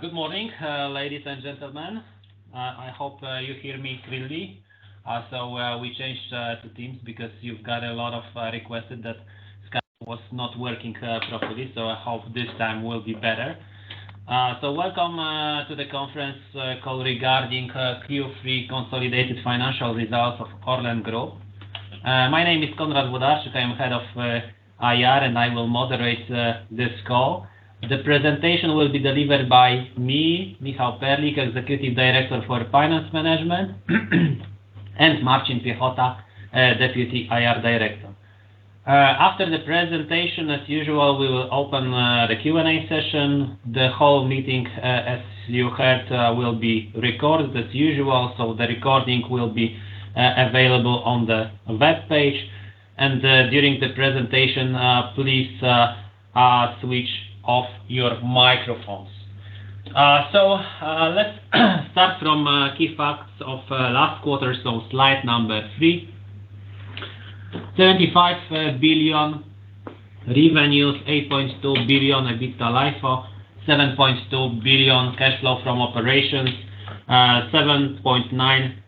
Good morning, ladies and gentlemen. I hope you hear me clearly. We changed the teams because you've got a lot of requested that Skype was not working properly, so I hope this time will be better. Welcome to the conference call regarding Q3 consolidated financial results of ORLEN Group. My name is Konrad Włodarczyk. I am Head of IR, and I will moderate this call. The presentation will be delivered by me, Michał Perlik, Executive Director for Finance Management, and Marcin Piechota, Deputy IR Director. After the presentation, as usual, we will open the Q&A session. The whole meeting, as you heard, will be recorded as usual, so the recording will be available on the webpage, and during the presentation, please switch off your microphones. Let's start from key facts of last quarter, slide number three. 25 billion revenues, 8.2 billion EBITDA LIFO, 7.2 billion cash flow from operations, 7.9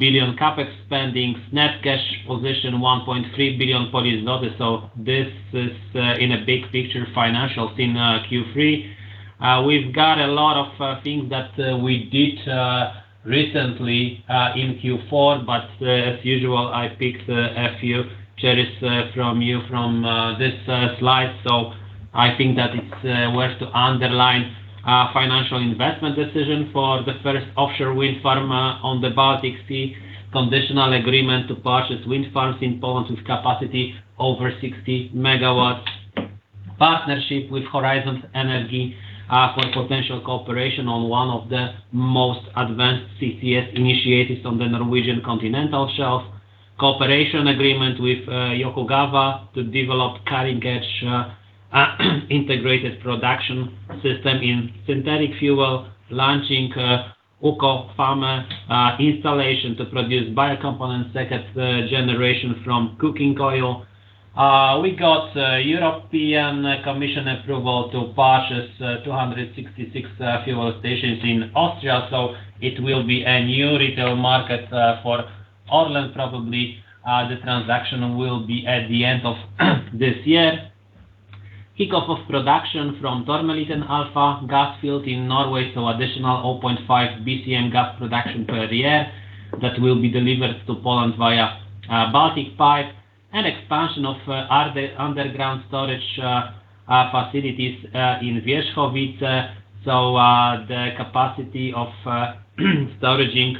billion CapEx spending, net cash position 1.3 billion. This is in a big picture financial in Q3. We've got a lot of things that we did recently in Q4, but, as usual, I picked a few cherries from you from this slide. So I think that it's worth to underline financial investment decision for the first offshore wind farm on the Baltic Sea, conditional agreement to purchase wind farms in Poland with capacity over 60 MW. Partnership with Horisont Energi for potential cooperation on one of the most advanced CCS initiatives on the Norwegian Continental Shelf. Cooperation agreement with Yokogawa to develop cutting-edge integrated production system in synthetic fuel, launching UCO FAME installation to produce second-generation biocomponents from cooking oil. We got European Commission approval to purchase 266 fuel stations in Austria, so it will be a new retail market for ORLEN probably. The transaction will be at the end of this year. Kickoff of production from Tommeliten Alpha gas field in Norway, so additional 0.5 BCM gas production per year that will be delivered to Poland via Baltic Pipe, and expansion of underground storage facilities in Wierzchowice. So the capacity of storage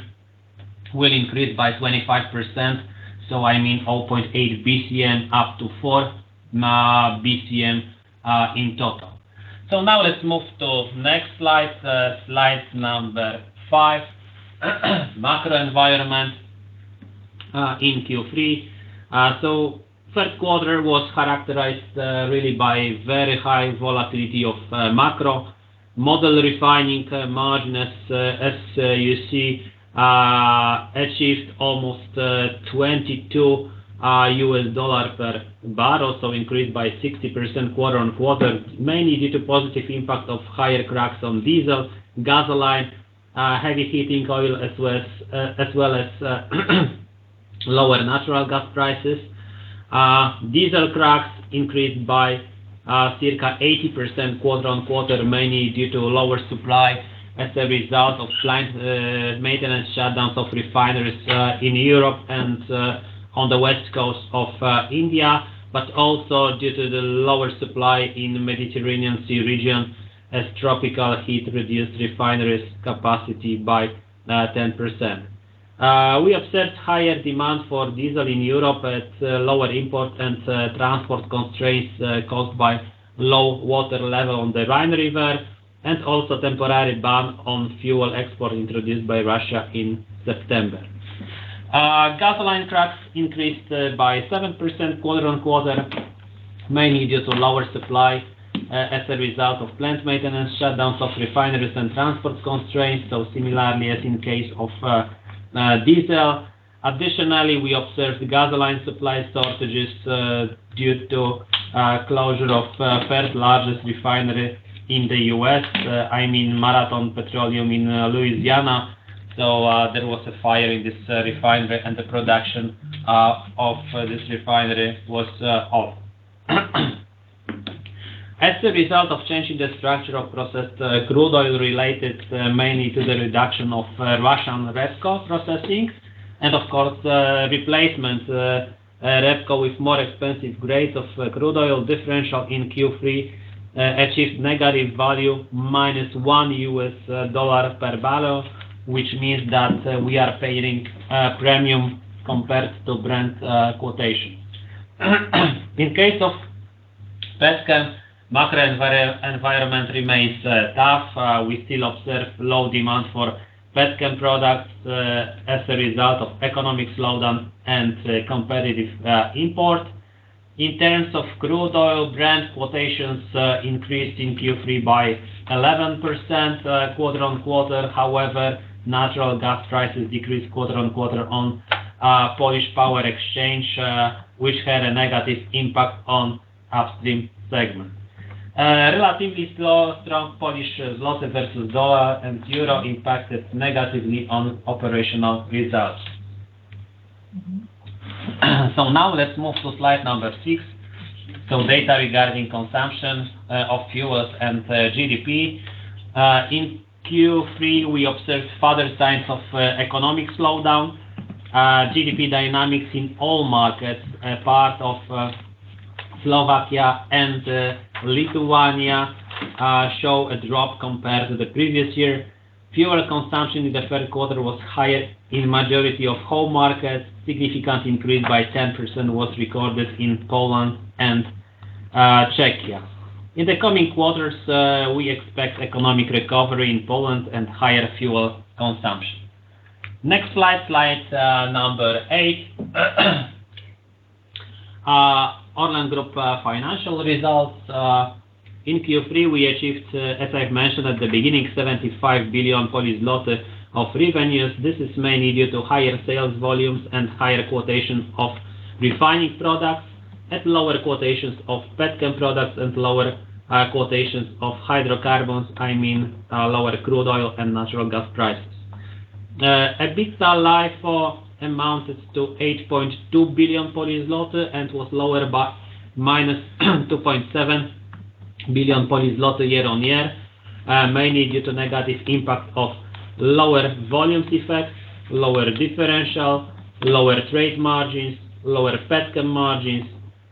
will increase by 25%. So I mean, 0.8 BCM up to 4 BCM in total. So now let's move to next slide, slide number five. Macro environment in Q3. So first quarter was characterized really by very high volatility of macro. Model refining margin, as you see, achieved almost $22 per barrel, so increased by 60% quarter-on-quarter, mainly due to positive impact of higher cracks on diesel, gasoline, heavy heating oil, as well as lower natural gas prices. Diesel cracks increased by circa 80% quarter-on-quarter, mainly due to lower supply as a result of planned maintenance shutdowns of refineries in Europe and on the west coast of India, but also due to the lower supply in the Mediterranean Sea region, as tropical heat reduced refineries' capacity by 10%. We observed higher demand for diesel in Europe at lower import and transport constraints caused by low water level on the Rhine River, and also temporary ban on fuel export introduced by Russia in September. Gasoline cracks increased by 7% quarter-on-quarter, mainly due to lower supply as a result of plant maintenance, shutdowns of refineries and transport constraints, so similarly as in case of diesel. Additionally, we observed gasoline supply shortages due to closure of third largest refinery in the U.S., I mean, Marathon Petroleum in Louisiana. So, there was a fire in this refinery and the production of this refinery was off. As a result of changing the structure of processed crude oil related mainly to the reduction of Russian REBCO processing, and of course, the replacement REBCO with more expensive grades of crude oil, differential in Q3 achieved negative value, -$1 per barrel, which means that we are paying a premium compared to Brent quotation. In case of petchem, macro environment remains tough. We still observe low demand for petchem products as a result of economic slowdown and competitive import. In terms of crude oil, Brent quotations increased in Q3 by 11% quarter-on-quarter. However, natural gas prices decreased quarter-on-quarter on Polish Power Exchange, which had a negative impact on upstream segment. Relatively slow, strong Polish zloty versus the U.S. dollar and Euro impacted negatively on operational results. Now let's move to slide number six. Data regarding consumption of fuels and GDP. In Q3, we observed further signs of economic slowdown. GDP dynamics in all markets, apart from Slovakia and Lithuania, show a drop compared to the previous year. Fuel consumption in the third quarter was higher in the majority of whole markets. Significant increase by 10% was recorded in Poland and Czechia. In the coming quarters, we expect economic recovery in Poland and higher fuel consumption. Next slide, slide number eight. ORLEN Group financial results. In Q3, we achieved, as I've mentioned at the beginning, 75 billion of revenues. This is mainly due to higher sales volumes and higher quotations of refining products, and lower quotations of petchem products, and lower quotations of hydrocarbons, I mean, lower crude oil and natural gas prices. EBITDA LIFO amounted to 8.2 billion and was lower by -2.7 billion year-on-year, mainly due to negative impact of lower volume effect, lower differential, lower trade margins, lower petchem margins,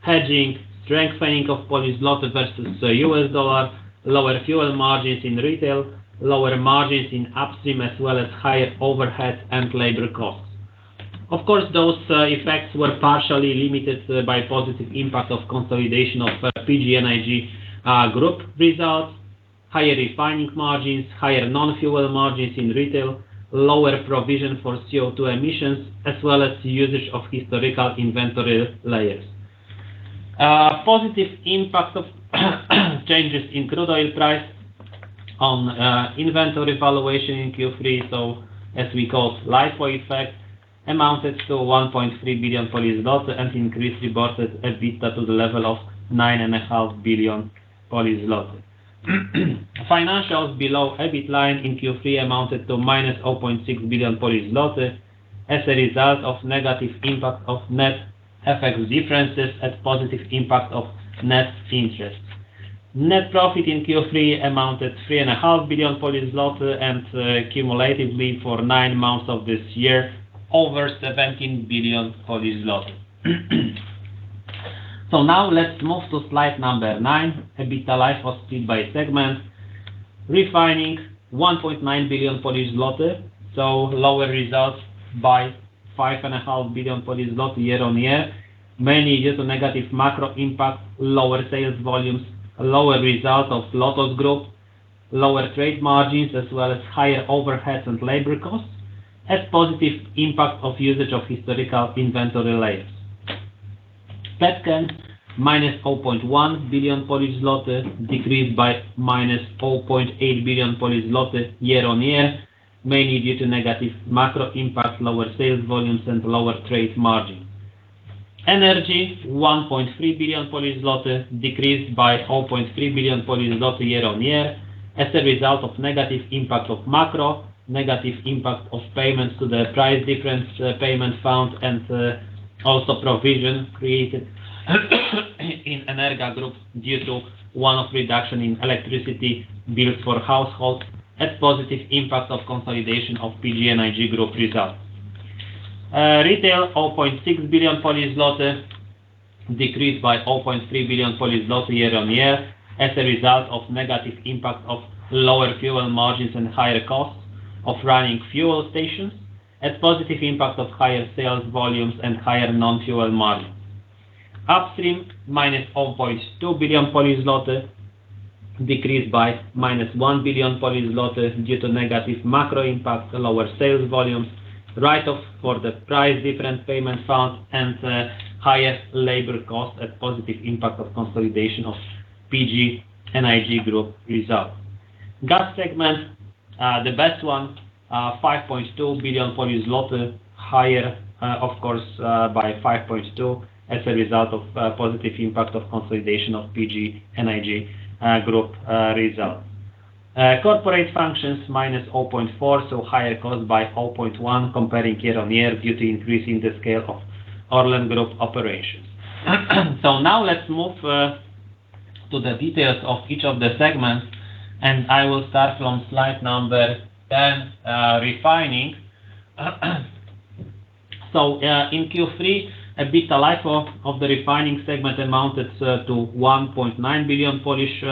hedging, strengthening of Polish zloty versus the U.S. dollar, lower fuel margins in retail, lower margins in upstream, as well as higher overhead and labor costs. Of course, those effects were partially limited by positive impact of consolidation of PGNiG group results, higher refining margins, higher non-fuel margins in retail, lower provision for CO2 emissions, as well as usage of historical inventory layers. Positive impact of changes in crude oil price on inventory valuation in Q3, so as we call it, LIFO effect, amounted to 1.3 billion and increased reported EBITDA to the level of 9.5 billion. Financials below EBIT line in Q3 amounted to -0.6 billion as a result of negative impact of net FX differences and positive impact of net interest. Net profit in Q3 amounted 3.5 billion, and cumulatively for nine months of this year, over 17 billion. So now let's move to slide number nine, EBITDA LIFO split by segment. Refining, 1.9 billion Polish zloty, so lower results by 5.5 billion Polish zloty year-on-year, mainly due to negative macro impact, lower sales volumes, lower result of LOTOS Group, lower trade margins, as well as higher overheads and labor costs, and positive impact of usage of historical inventory layers. Petchem, -4.1 billion Polish zloty, decreased by -4.8 billion Polish zloty year-on-year, mainly due to negative macro impact, lower sales volumes, and lower trade margin. Energy, 1.3 billion Polish zloty, decreased by 4.3 billion Polish zloty year-on-year as a result of negative impact of macro, negative impact of payments to the Price Difference Payment Fund, and also provision created in Energa Group due to one-off reduction in electricity bills for households, and positive impact of consolidation of PGNiG Group results. Retail, 4.6 billion, decreased by 4.3 billion year-on-year as a result of negative impact of lower fuel margins and higher costs of running fuel stations, and positive impact of higher sales volumes and higher non-fuel margins. Upstream, -4.2 billion, decreased by -1 billion due to negative macro impact, lower sales volumes, write-off for the Price Difference Payment Fund, and higher labor cost, and positive impact of consolidation of PGNiG Group result. Gas segment, the best one, 5.2 billion, higher, of course, by 5.2 billion as a result of positive impact of consolidation of PGNiG Group results. Corporate functions, -0.4, so higher cost by 4.1 comparing year-on-year due to increase in the scale of ORLEN Group operations. So now let's move to the details of each of the segments, and I will start from slide number 10, refining. So, in Q3, EBITDA LIFO of the refining segment amounted to 1.9 billion Polish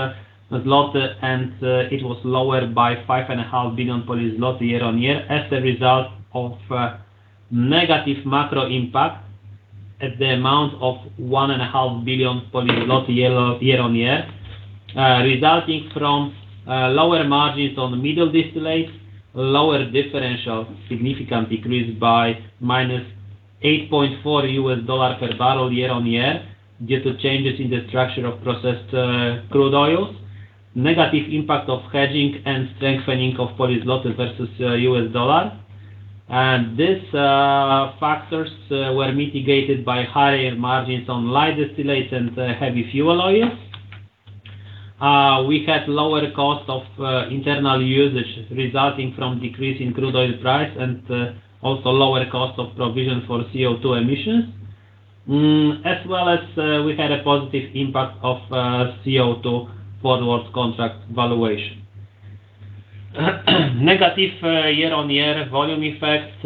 zloty, and it was lower by 5.5 billion Polish zloty year-on-year, as a result of negative macro impact at the amount of 1.5 billion year-on-year-on-year. Resulting from lower margins on middle distillates, lower differential, significant decrease by -$8.4 per barrel year-on-year, due to changes in the structure of processed crude oils, negative impact of hedging and strengthening of Polish zloty versus U.S. dollar. These factors were mitigated by higher margins on light distillates and heavy fuel oils. We had lower cost of internal usage resulting from decrease in crude oil price and also lower cost of provision for CO2 emissions, as well as we had a positive impact of CO2 forwards contract valuation. Negative year-on-year volume effect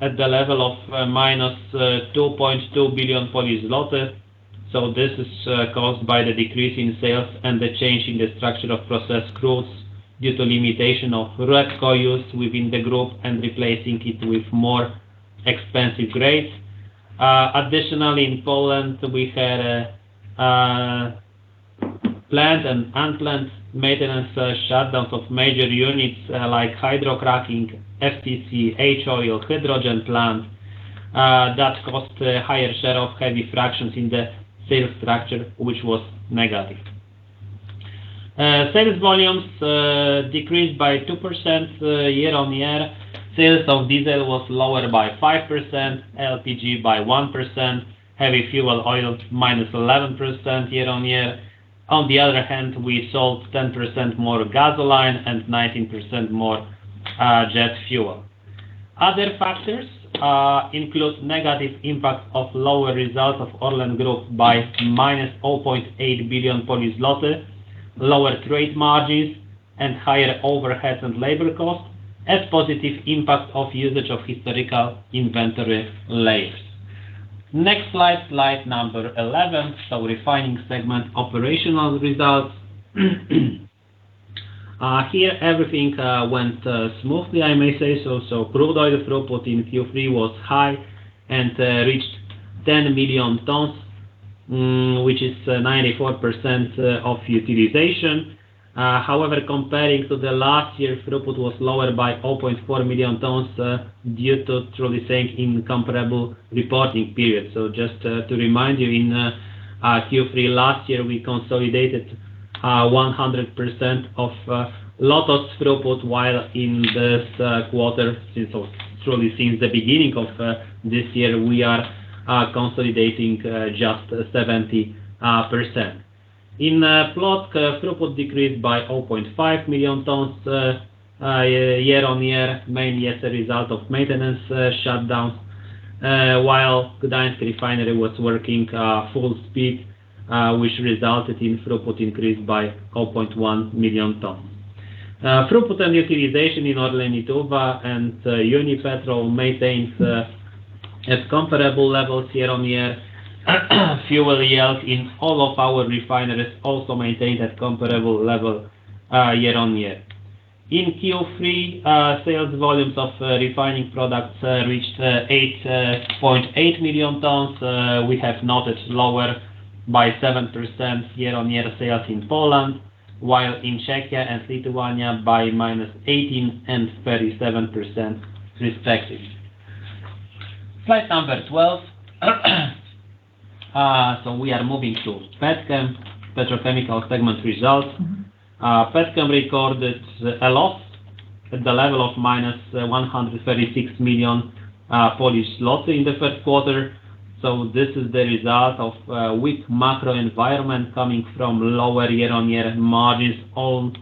at the level of -2.2 billion Polish zloty. This is caused by the decrease in sales and the change in the structure of processed growth due to limitation of REBCO use within the group and replacing it with more expensive grades. Additionally, in Poland, we had planned and unplanned maintenance shutdowns of major units like hydrocracking, FCC, H-Oil, hydrogen plant that caused a higher share of heavy fractions in the sales structure, which was negative. Sales volumes decreased by 2% year-on-year. Sales of diesel was lower by 5%, LPG by 1%, heavy fuel oil -11% year-on-year. On the other hand, we sold 10% more gasoline and 19% more jet fuel. Other factors include negative impact of lower results of ORLEN Group by -0.8 billion Polish zloty, lower trade margins, and higher overheads and labor costs, and positive impact of usage of historical inventory layers. Next slide, slide 11, so refining segment operational results. Here everything went smoothly, I may say so. So crude oil throughput in Q3 was high and reached 10 million tons, which is 94% of utilization. However, comparing to the last year, throughput was lower by 0.4 million tons due to truly saying incomparable reporting period. So just to remind you, in Q3 last year, we consolidated 100% of LOTOS throughput, while in this quarter, since or truly since the beginning of this year, we are consolidating just 70%. In Płock, throughput decreased by 0.5 million tons year-on-year, mainly as a result of maintenance shutdown. While Gdańsk Refinery was working full speed, which resulted in throughput increase by 0.1 million tons. Throughput and utilization in ORLEN Lietuva and Unipetrol maintains at comparable levels year-on-year. Fuel yields in all of our refineries also maintained at comparable level year-on-year. In Q3, sales volumes of refining products reached 8.8 million tons. We have noticed lower by 7% year-on-year sales in Poland, while in Czechia and Lithuania by -18% and -37% respectively. Slide 12. So we are moving to Petchem, petrochemical segment results. Petchem recorded a loss at the level of -136 million Polish zlotys in the first quarter. So this is the result of weak macro environment coming from lower year-on-year margins on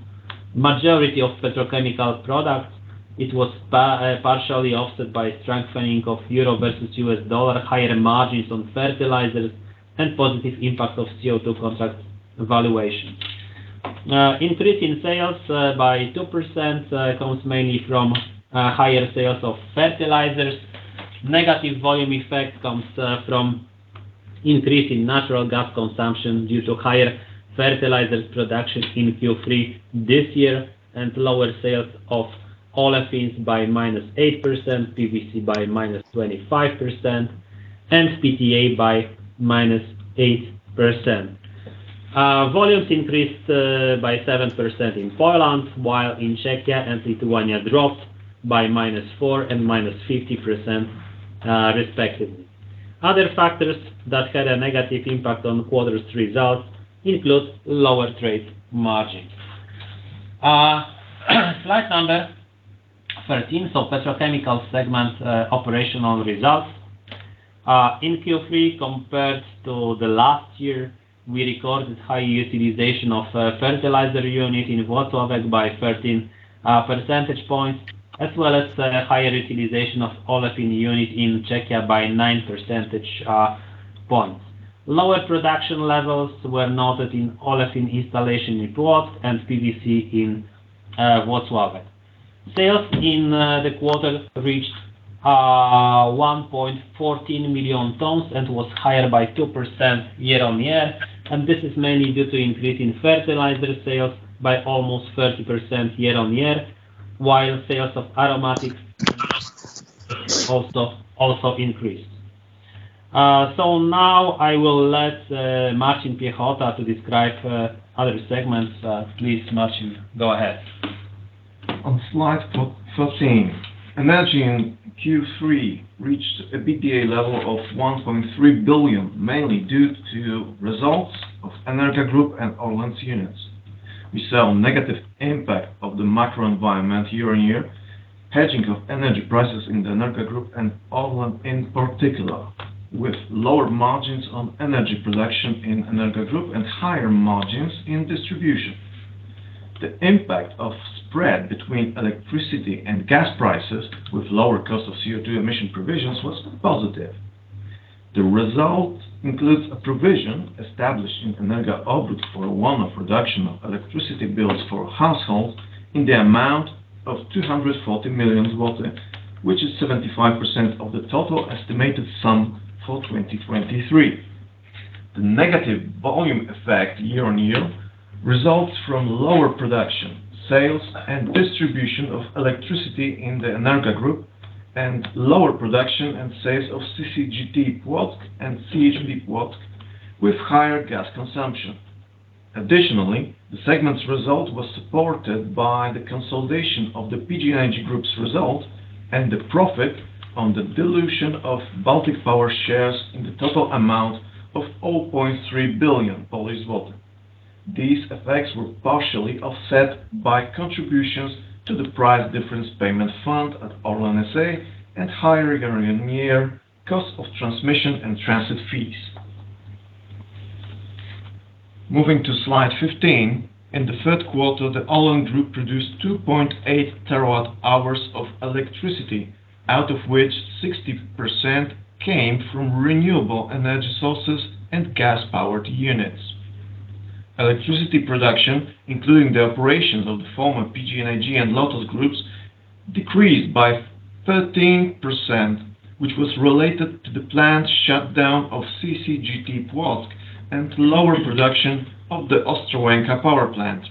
majority of petrochemical products. It was partially offset by strengthening of Euro versus U.S. dollar, higher margins on fertilizers, and positive impact of CO2 contract valuation. Increase in sales by 2% comes mainly from higher sales of fertilizers. Negative volume effect comes from increase in natural gas consumption due to higher fertilizers production in Q3 this year and lower sales of Olefins by -8%, PVC by -25%, and PTA by -8%. Volumes increased by 7% in Poland, while in Czechia and Lithuania, dropped by -4% and -50%, respectively. Other factors that had a negative impact on the quarter's results include lower trade margins. Slide number 13, so Petrochemical segment operational results. In Q3, compared to the last year, we recorded high utilization of fertilizer unit in Włocławek by 13 percentage points, as well as higher utilization of Olefins unit in Czechia by 9 percentage points. Lower production levels were noted in Olefins installation in Płock and PVC in Włocławek. Sales in the quarter reached 1.14 million tons and was higher by 2% year-over-year, and this is mainly due to increase in fertilizer sales by almost 30% year-over-year, while sales of aromatics also increased. Now I will let Marcin Piechota to describe other segments. Please, Marcin, go ahead. On slide 13, Energa Q3 reached a EBITDA level of 1.3 billion, mainly due to results of Energa Group and ORLEN's units. We saw a negative impact of the macro environment year-on-year, hedging of energy prices in the Energa Group and ORLEN in particular, with lower margins on energy production in Energa Group and higher margins in distribution. The impact of spread between electricity and gas prices, with lower cost of CO₂ emission provisions, was positive. The result includes a provision established in Energa Obrót for a one-off reduction of electricity bills for households in the amount of 240 million, which is 75% of the total estimated sum for 2023. The negative volume effect year-on-year results from lower production, sales, and distribution of electricity in the Energa Group, and lower production and sales of CCGT Płock and CHP Płock, with higher gas consumption. Additionally, the segment's result was supported by the consolidation of the PGNiG Group's result and the profit on the dilution of Baltic Power shares in the total amount of 0.3 billion. These effects were partially offset by contributions to the Price Difference Payment Fund at ORLEN S.A. and higher year-on-year cost of transmission and transit fees. Moving to Slide 15, in the third quarter, the ORLEN Group produced 2.8 TWh of electricity, out of which 60% came from renewable energy sources and gas-powered units. Electricity production, including the operations of the former PGNiG and LOTOS Groups, decreased by 13%, which was related to the planned shutdown of CCGT Płock and lower production of the Ostrołęka Power Plant.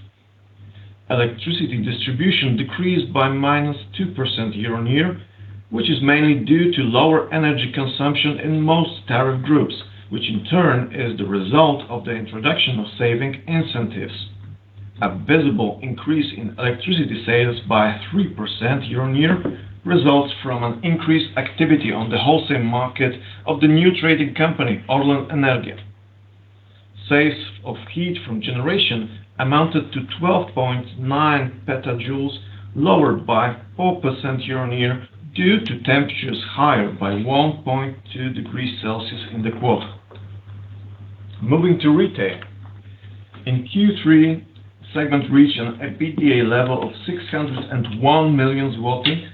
Electricity distribution decreased by -2% year-on-year, which is mainly due to lower energy consumption in most tariff groups, which in turn is the result of the introduction of saving incentives. A visible increase in electricity sales by 3% year-on-year results from an increased activity on the wholesale market of the new trading company, ORLEN Energia. Sales of heat from generation amounted to 12.9 petajoules, lowered by 4% year-on-year, due to temperatures higher by 1.2 degrees Celsius in the quarter. Moving to retail. In Q3, segment reached an EBITDA level of 601 million zloty,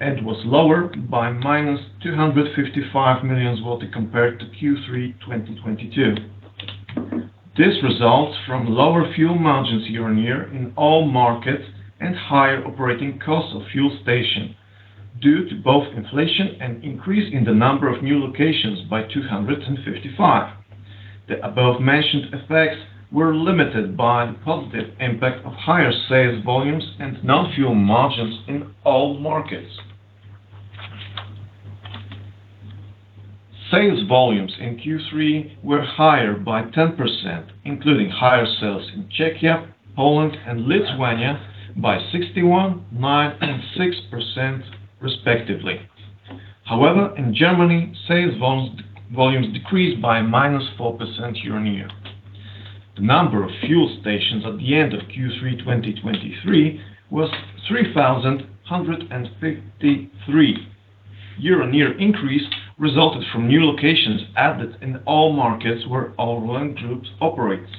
and was lower by -255 million zloty compared to Q3 2022. This results from lower fuel margins year-on-year in all markets and higher operating costs of fuel station, due to both inflation and increase in the number of new locations by 255. The above-mentioned effects were limited by the positive impact of higher sales volumes and non-fuel margins in all markets. Sales volumes in Q3 were higher by 10%, including higher sales in Czechia, Poland and Lithuania by 61%, 9%, and 6% respectively. However, in Germany, sales volumes decreased by -4% year-on-year. The number of fuel stations at the end of Q3, 2023, was 3,153. Year-on-year increase resulted from new locations added in all markets where ORLEN Group operates.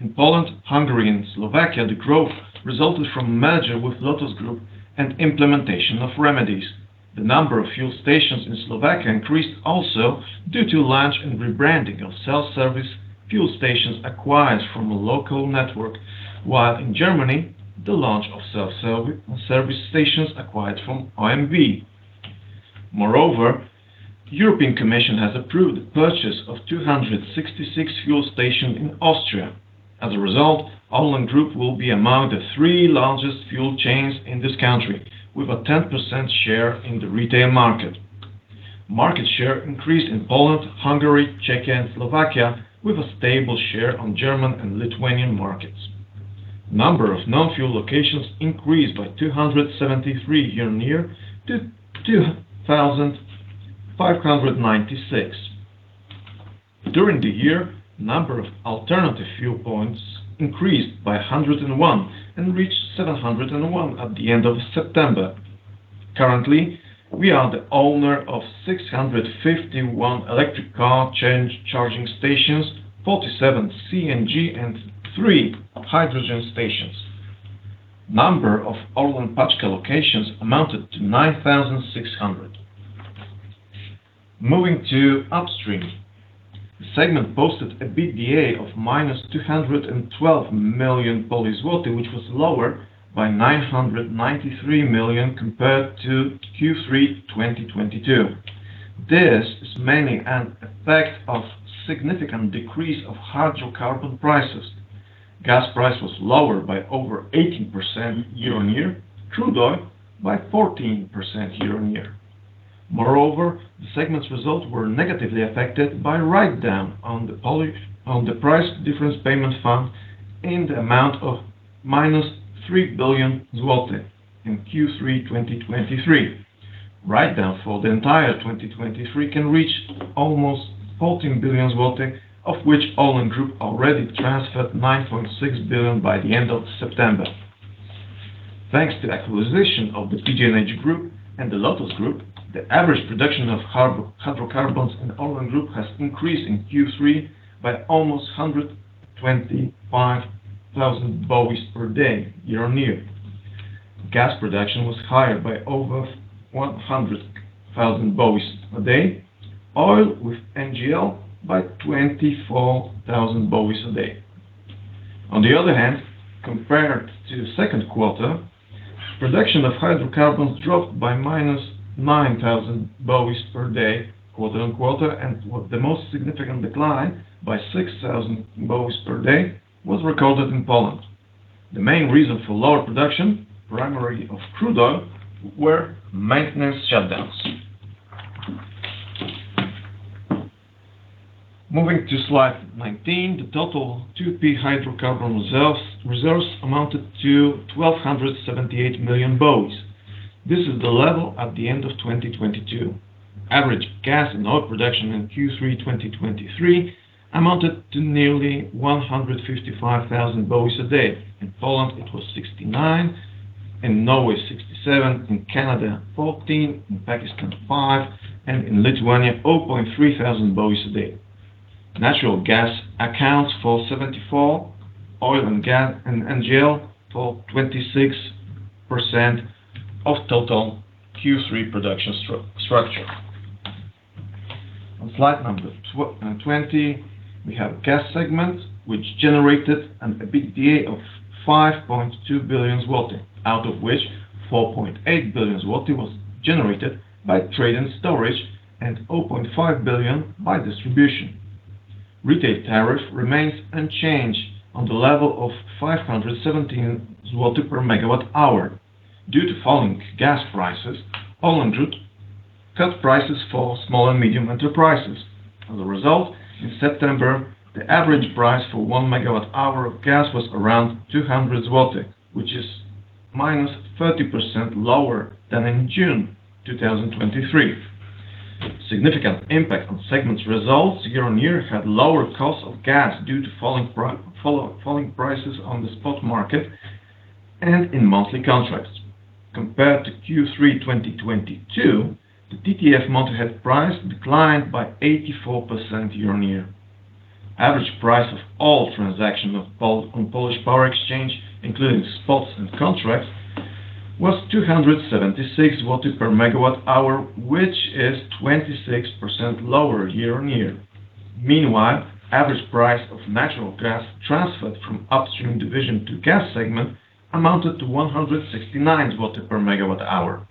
In Poland, Hungary and Slovakia, the growth resulted from a merger with LOTOS Group and implementation of remedies. The number of fuel stations in Slovakia increased also due to launch and rebranding of self-service fuel stations acquired from a local network, while in Germany, the launch of self-service service stations acquired from OMV. Moreover, European Commission has approved the purchase of 266 fuel stations in Austria. As a result, ORLEN Group will be among the three largest fuel chains in this country, with a 10% share in the retail market. Market share increased in Poland, Hungary, Czechia and Slovakia, with a stable share on German and Lithuanian markets. Number of non-fuel locations increased by 273 year-on-year to 2,596. During the year, number of alternative fuel points increased by 101, and reached 701 at the end of September. Currently, we are the owner of 651 electric car charging stations, 47 CNG, and three hydrogen stations. The number of ORLEN Paczka locations amounted to 9,600. Moving to upstream. The segment posted an EBITDA of PLN -212 million, which was lower byPLN 993 million compared to Q3 2022. This is mainly an effect of significant decrease of hydrocarbon prices. Gas price was lower by over 18% year-on-year, crude oil by 14% year-on-year. Moreover, the segment's results were negatively affected by write-down on the Polish Price Difference Payment Fund in the amount of -3 billion zloty in Q3 2023. Right, therefore, the entire 2023 can reach almost 14 billion zloty, of which ORLEN Group already transferred 9.6 billion by the end of September. Thanks to the acquisition of the PGNiG Group and the LOTOS Group, the average production of hydrocarbons in ORLEN Group has increased in Q3 by almost 125,000 BOEs per day year-over-year. Gas production was higher by over 100,000 BOEs a day, oil with NGL by 24,000 BOEs a day. On the other hand, compared to the second quarter, production of hydrocarbons dropped by -9,000 BOEs per day, quarter-over-quarter, and with the most significant decline by 6,000 BOEs per day, was recorded in Poland. The main reason for lower production, primarily of crude oil, were maintenance shutdowns. Moving to slide 19, the total 2P hydrocarbon reserves amounted to 1,278 million BOEs. This is the level at the end of 2022. Average gas and oil production in Q3 2023 amounted to nearly 155,000 BOEs a day. In Poland, it was 69, in Norway, 67, in Canada, 14, in Pakistan, 5, and in Lithuania, 0.3 thousand BOEs a day. Natural gas accounts for 74%, oil and gas and NGL for 26% of total Q3 production structure. On slide number 20, we have a gas segment, which generated an EBITDA of 5.2 billion zlotys, out of which 4.8 billion zlotys was generated by trade and storage, and 0.5 billion by distribution. Retail tariff remains unchanged on the level of 517 per MWh. Due to falling gas prices, ORLEN Group cut prices for small and medium enterprises. As a result, in September, the average price for one MWh of gas was around 200, which is -30% lower than in June 2023. Significant impact on segment's results year-on-year, had lower cost of gas due to falling prices on the spot market and in monthly contracts. Compared to Q3 2022, the TTF month-ahead price declined by 84% year-on-year. Average price of all transactions on Polish Power Exchange, including spots and contracts, was 276 per MWh, which is 26% lower year-on-year. Meanwhile, average price of natural gas transferred from upstream division to gas segment amounted to 169 per MWh.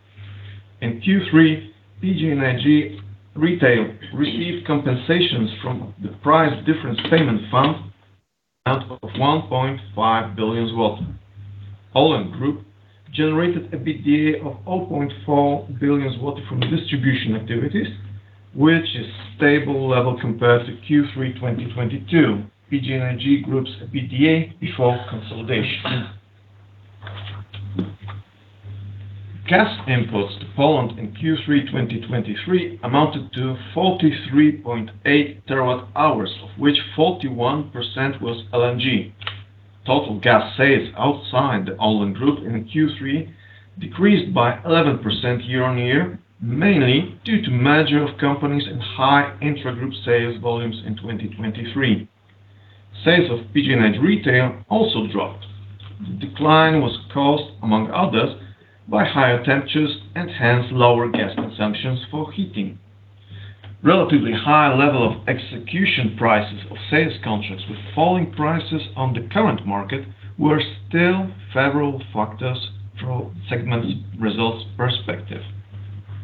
In Q3, PGNiG Retail received compensations from the Price Difference Payment Fund, amount of 1.5 billion zloty. ORLEN Group generated an EBITDA of 0.4 billion zloty from distribution activities, which is stable level compared to Q3 2022. PGNiG Group's EBITDA before consolidation. Gas imports to Poland in Q3 2023 amounted to 43.8 TWh, of which 41% was LNG. Total gas sales outside the ORLEN Group in Q3 decreased by 11% year-on-year, mainly due to merger of companies and high intragroup sales volumes in 2023. Sales of PGNiG Retail also dropped. The decline was caused, among others, by higher temperatures and, hence, lower gas consumptions for heating. Relatively high level of execution prices of sales contracts with falling prices on the current market were still favorable factors from segment's results perspective.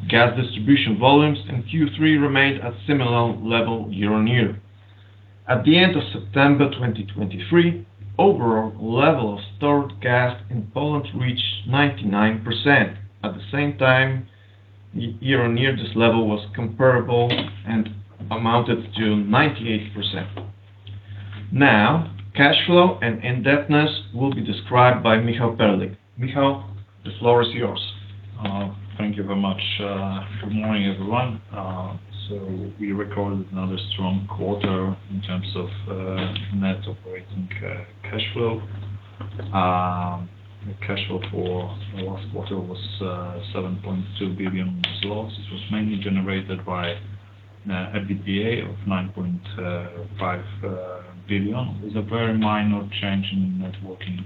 Gas distribution volumes in Q3 remained at similar level year-on-year. At the end of September 2023, overall level of stored gas in Poland reached 99%. At the same time, year-on-year, this level was comparable and amounted to 98%. Now, cash flow and indebtedness will be described by Michał Perlik. Michał, the floor is yours. Thank you very much. Good morning, everyone. So we recorded another strong quarter in terms of net operating cash flow. The cash flow for the last quarter was 7.2 billion zlotys, which was mainly generated by EBITDA of 9.5 billion. There's a very minor change in the net working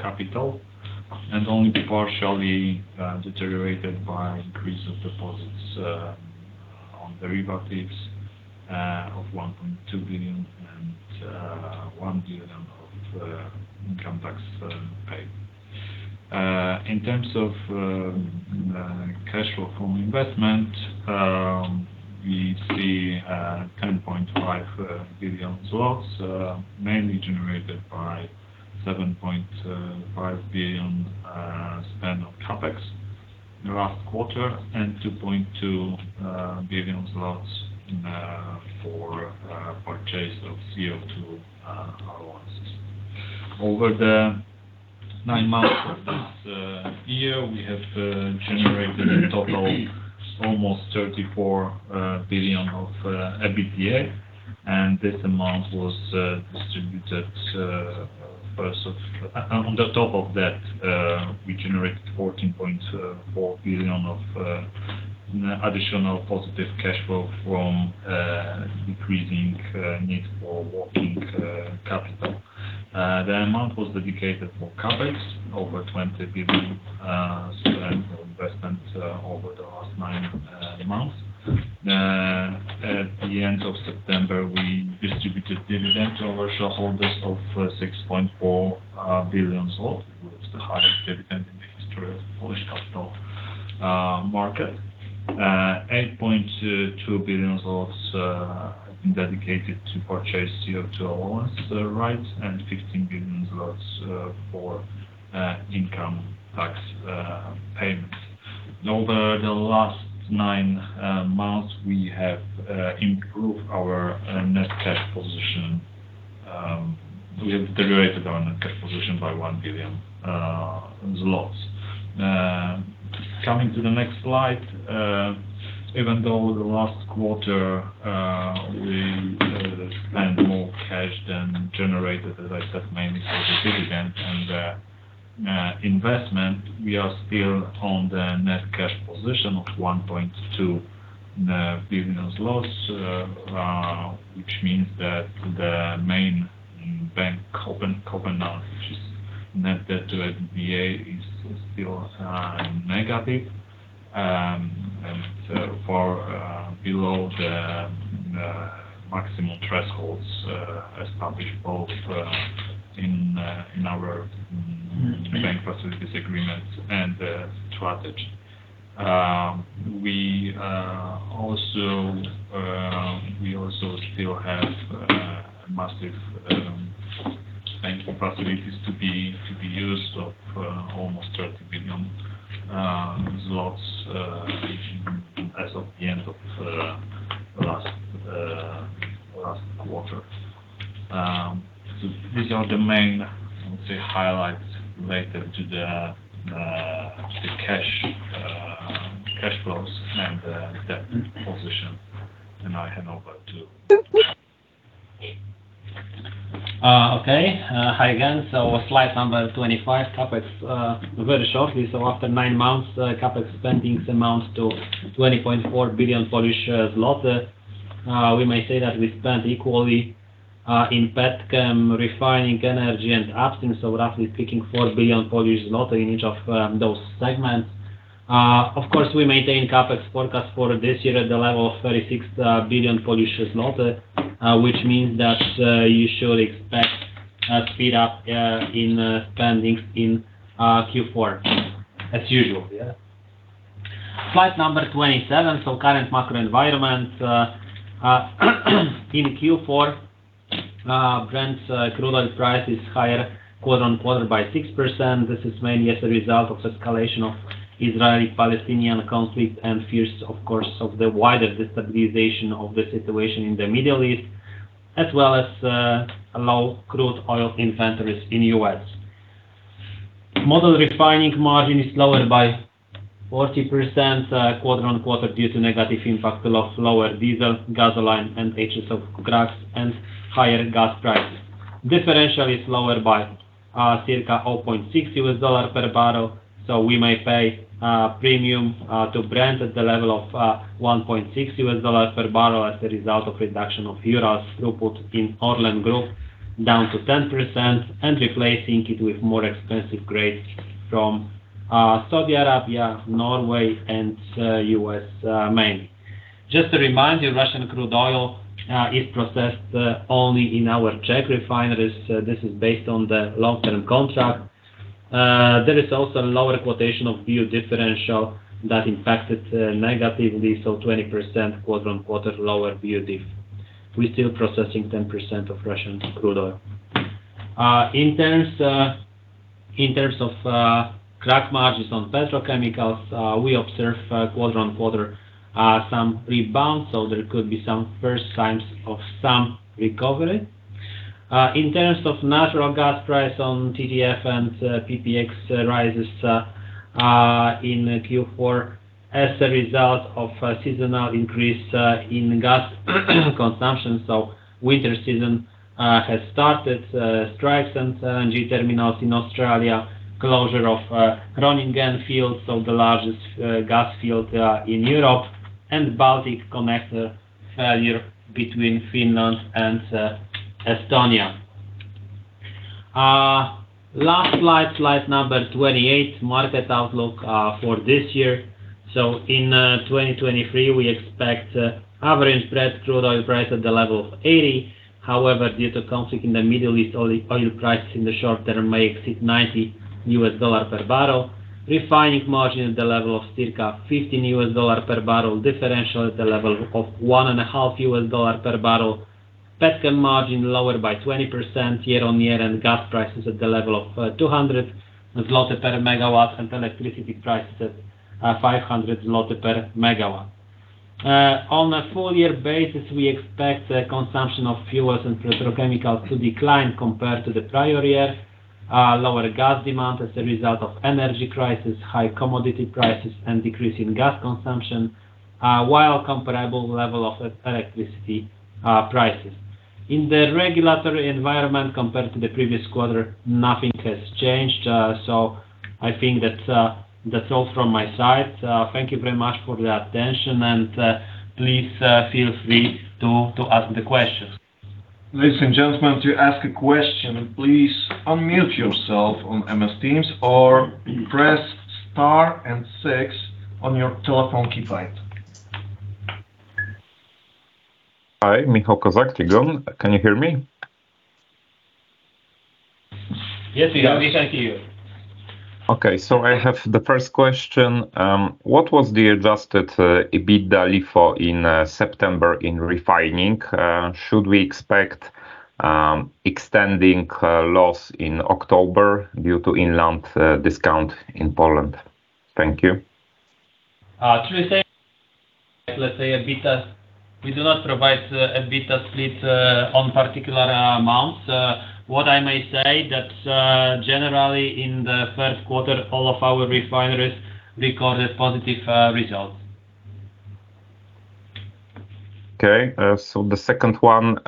capital, and only partially deteriorated by increase of deposits on derivatives of 1.2 billion and 1 billion of income tax paid. In terms of cash flow from investment, we see 10.5 billion zlotys, mainly generated by 7.5 billion spend on CapEx in the last quarter, and 2.2 billion zlotys for purchase of CO2 allowance. Over the nine months of this year, we have generated in total almost 34 billion of EBITD, And this amount was distributed first of- On the top of that, we generated 14.4 billion of additional positive cash flow from decreasing need for working capital. The amount was dedicated for CapEx over 20 billion, so that's investment over the last nine months. At the end of September, we distributed dividend to our shareholders of 6.4 billion, which is the highest dividend in the history of Polish capital market. 8.2 billion have been dedicated to purchase CO2 allowance rights and 15 billion for income tax payments. Over the last nine months, we have improved our net cash position. We have deteriorated our net cash position by 1 billion zlotys. Coming to the next slide, even though the last quarter we spent more cash than generated, as I said, mainly for the dividend and investment, we are still on the net cash position of PLN 1.2 billion. Which means that the main bank covenant, which is net debt to EBITDA, is still negative and far below the maximum thresholds established both in our bank facilities agreement and strategy. We also still have massive banking facilities to be used of almost PLN 30 billion as of the end of last quarter. So these are the main, I would say, highlights related to the cash flows and debt position. And now I hand over to Konrad. Okay. Hi again. So slide number 25, CapEx, very shortly. So after nine months, CapEx spendings amount to 20.4 billion Polish zloty. We may say that we spent equally, in petchem, refining, energy, and upstream, so roughly speaking, 4 billion Polish zloty in each of those segments. Of course, we maintain CapEx forecast for this year at the level of 36 billion, which means that you should expect a speed up in spendings in Q4 as usual, yeah? Slide number 27. So current macro environment in Q4, Brent crude oil price is higher quarter-on-quarter by 6%. This is mainly as a result of escalation of Israeli-Palestinian conflict and fears, of course, of the wider destabilization of the situation in the Middle East, as well as, low crude oil inventories in U.S. Model refining margin is lower by 40%, quarter on quarter, due to negative impact of lower diesel, gasoline, and HSFO cracks and higher gas prices. Differential is lower by, circa $0.6 per barrel, so we may pay premium to Brent at the level of $1.6 per barrel as a result of reduction of Urals throughput in ORLEN Group, down to 10%, and replacing it with more expensive grades from Saudi Arabia, Norway, and U.S., mainly. Just to remind you, Russian crude oil is processed only in our Czech refineries. This is based on the long-term contract. There is also lower quotation of BFO differential that impacted negatively, so 20% quarter-on-quarter lower BFO diff. We're still processing 10% of Russian crude oil. In terms of crack margins on petrochemicals, we observe quarter-on-quarter some rebound, so there could be some first signs of some recovery. In terms of natural gas price on TTF and PPX rises in Q4 as a result of a seasonal increase in gas consumption. So winter season has started, strikes and LNG terminals in Australia, closure of Groningen field, so the largest gas field in Europe, and Balticconnector failure between Finland and Estonia. Last slide, slide number 28, market outlook for this year. In 2023, we expect average Brent crude oil price at the level of $80. However, due to conflict in the Middle East, oil prices in the short term may exceed $90 per barrel. Refining margin at the level of circa $15 per barrel, differential at the level of $1.5 per barrel. Petchem margin lower by 20% year-over-year, and gas prices at the level of 200 zloty per MW, and electricity prices at 500 zloty per MW. On a full-year basis, we expect the consumption of fuels and petrochemical to decline compared to the prior year. Lower gas demand as a result of energy crisis, high commodity prices, and decrease in gas consumption, while comparable level of electricity prices. In the regulatory environment compared to the previous quarter, nothing has changed. So I think that, that's all from my side. Thank you very much for the attention, and, please, feel free to ask the questions. Ladies and gentlemen, to ask a question, please unmute yourself on MS Teams or press star and six on your telephone keypad. Hi, Michał Kozak, Trigon. Can you hear me? Yes, we hear you. Thank you. Okay, so I have the first question. What was the adjusted EBITDA LIFO in September in refining? Should we expect extending loss in October due to inland discount in Poland? Thank you. To be safe, let's say EBITDA. We do not provide EBITDA split on particular amounts. What I may say that, generally, in the third quarter, all of our refineries recorded positive results. Okay, so the second one,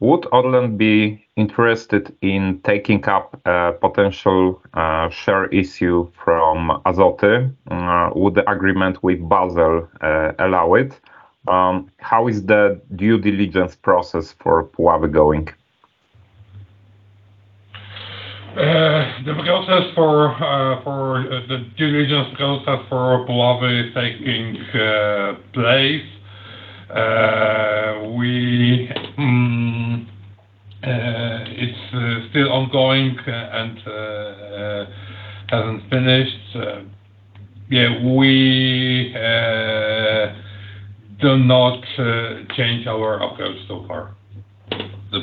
would ORLEN be interested in taking up a potential share issue from Azoty? Would the agreement with Basell allow it? How is the due diligence process for Puławy going? The process for the due diligence process for Puławy is taking place. We, it's still ongoing and hasn't finished. Yeah, we do not change our approach so far. This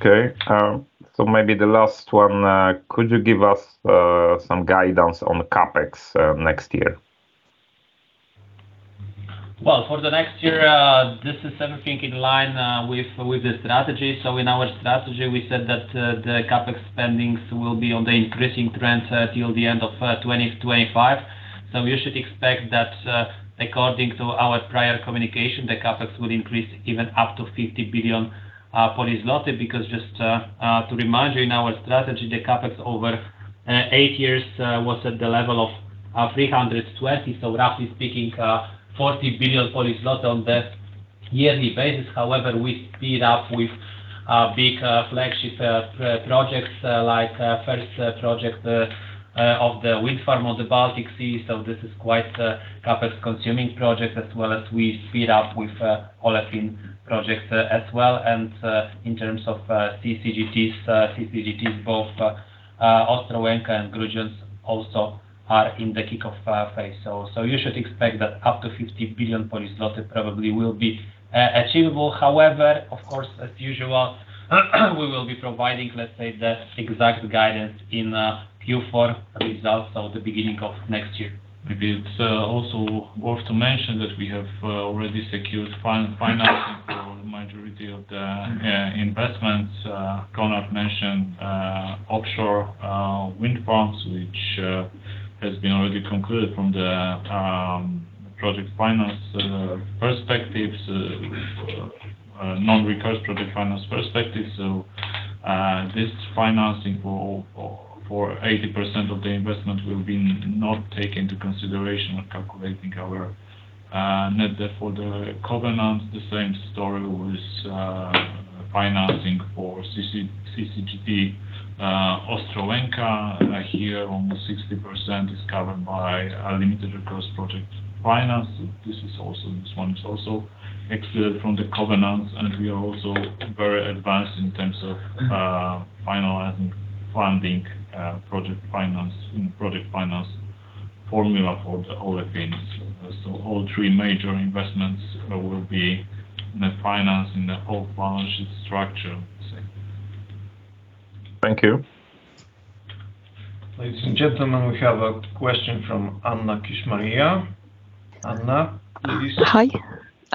project. Okay. So maybe the last one, could you give us some guidance on the CapEx next year? Well, for the next year, this is everything in line with the strategy. So in our strategy, we said that the CapEx spendings will be on the increasing trend till the end of 2025. So we should expect that according to our prior communication, the CapEx will increase even up to 50 billion, because just to remind you, in our strategy, the CapEx over eight years was at the level of 320 billion. So roughly speaking, 40 billion on the yearly basis. However, we speed up with big flagship projects like first project of the wind farm on the Baltic Sea. So this is quite CapEx-consuming project, as well as we speed up with Olefins projects, as well. In terms of CCGTs, CCGTs, both Ostrołęka and Grudziądz also are in the kickoff phase. So you should expect that up to 50 billion probably will be achievable. However, of course, as usual, we will be providing, let's say, the exact guidance in Q4 results or the beginning of next year. Maybe it's also worth mentioning that we have already secured financing for the majority of the investments. Konrad mentioned offshore wind farms, which has been already concluded from the project finance perspectives, non-recourse project finance perspective. So, this financing for 80% of the investment will be not take into consideration when calculating our net debt for the covenants. The same story with financing for CC, CCGT, Ostrołęka. Here, almost 60% is covered by a limited recourse project finance. This is also, this one is also excluded from the covenants, and we are also very advanced in terms of finalizing funding, project finance, in project finance formula for the Olefinss. So all three major investments will be in the finance, in the whole financial structure. Thank you. Ladies and gentlemen, we have a question from Anna Kishmariya. Anna, please. Hi.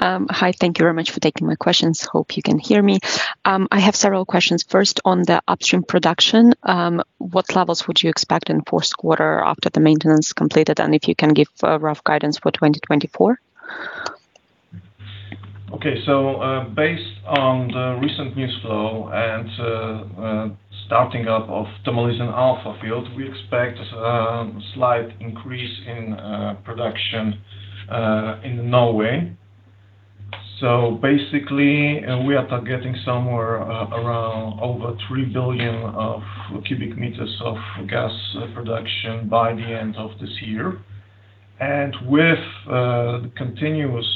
Hi, thank you very much for taking my questions. Hope you can hear me. I have several questions. First, on the upstream production, what levels would you expect in fourth quarter after the maintenance completed? And if you can give a rough guidance for 2024? Okay, so, based on the recent news flow and starting up of the Tommeliten Alpha field, we expect a slight increase in production in Norway. So basically, we are targeting somewhere around over 3 billion cubic meters of gas production by the end of this year. And with the continuous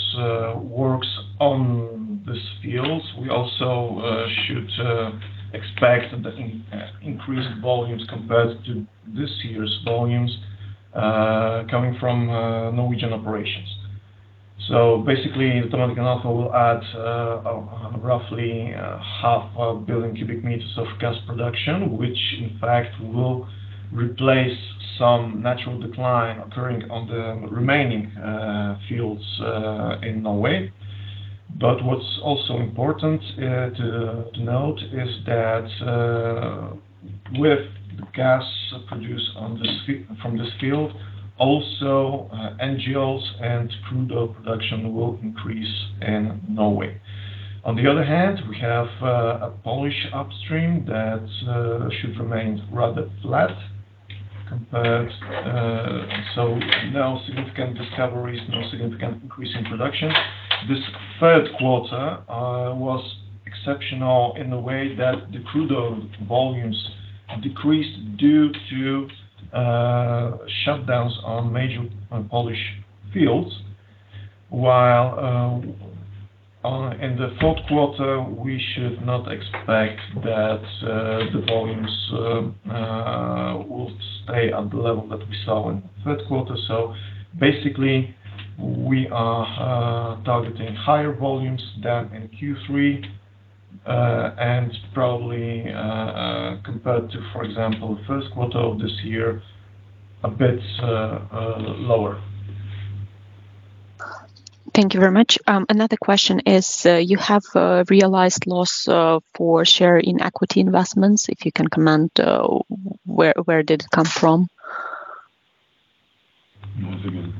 works on these fields, we also should expect the increased volumes compared to this year's volumes coming from Norwegian operations. So basically, Tommeliten Alpha will add roughly half a billion cubic meters of gas production, which in fact will replace some natural decline occurring on the remaining fields in Norway. But what's also important to note is that with the gas produced on this field—from this field, also NGLs and crude oil production will increase in Norway. On the other hand, we have a Polish upstream that should remain rather flat compared. So no significant discoveries, no significant increase in production. This third quarter was exceptional in the way that the crude oil volumes decreased due to shutdowns on major Polish fields, while in the fourth quarter, we should not expect that the volumes will stay at the level that we saw in the third quarter. So basically, we are targeting higher volumes than in Q3, and probably, compared to, for example, first quarter of this year, a bit lower. Thank you very much. Another question is, you have realized loss for share in equity investments, if you can comment, where, where did it come from? Once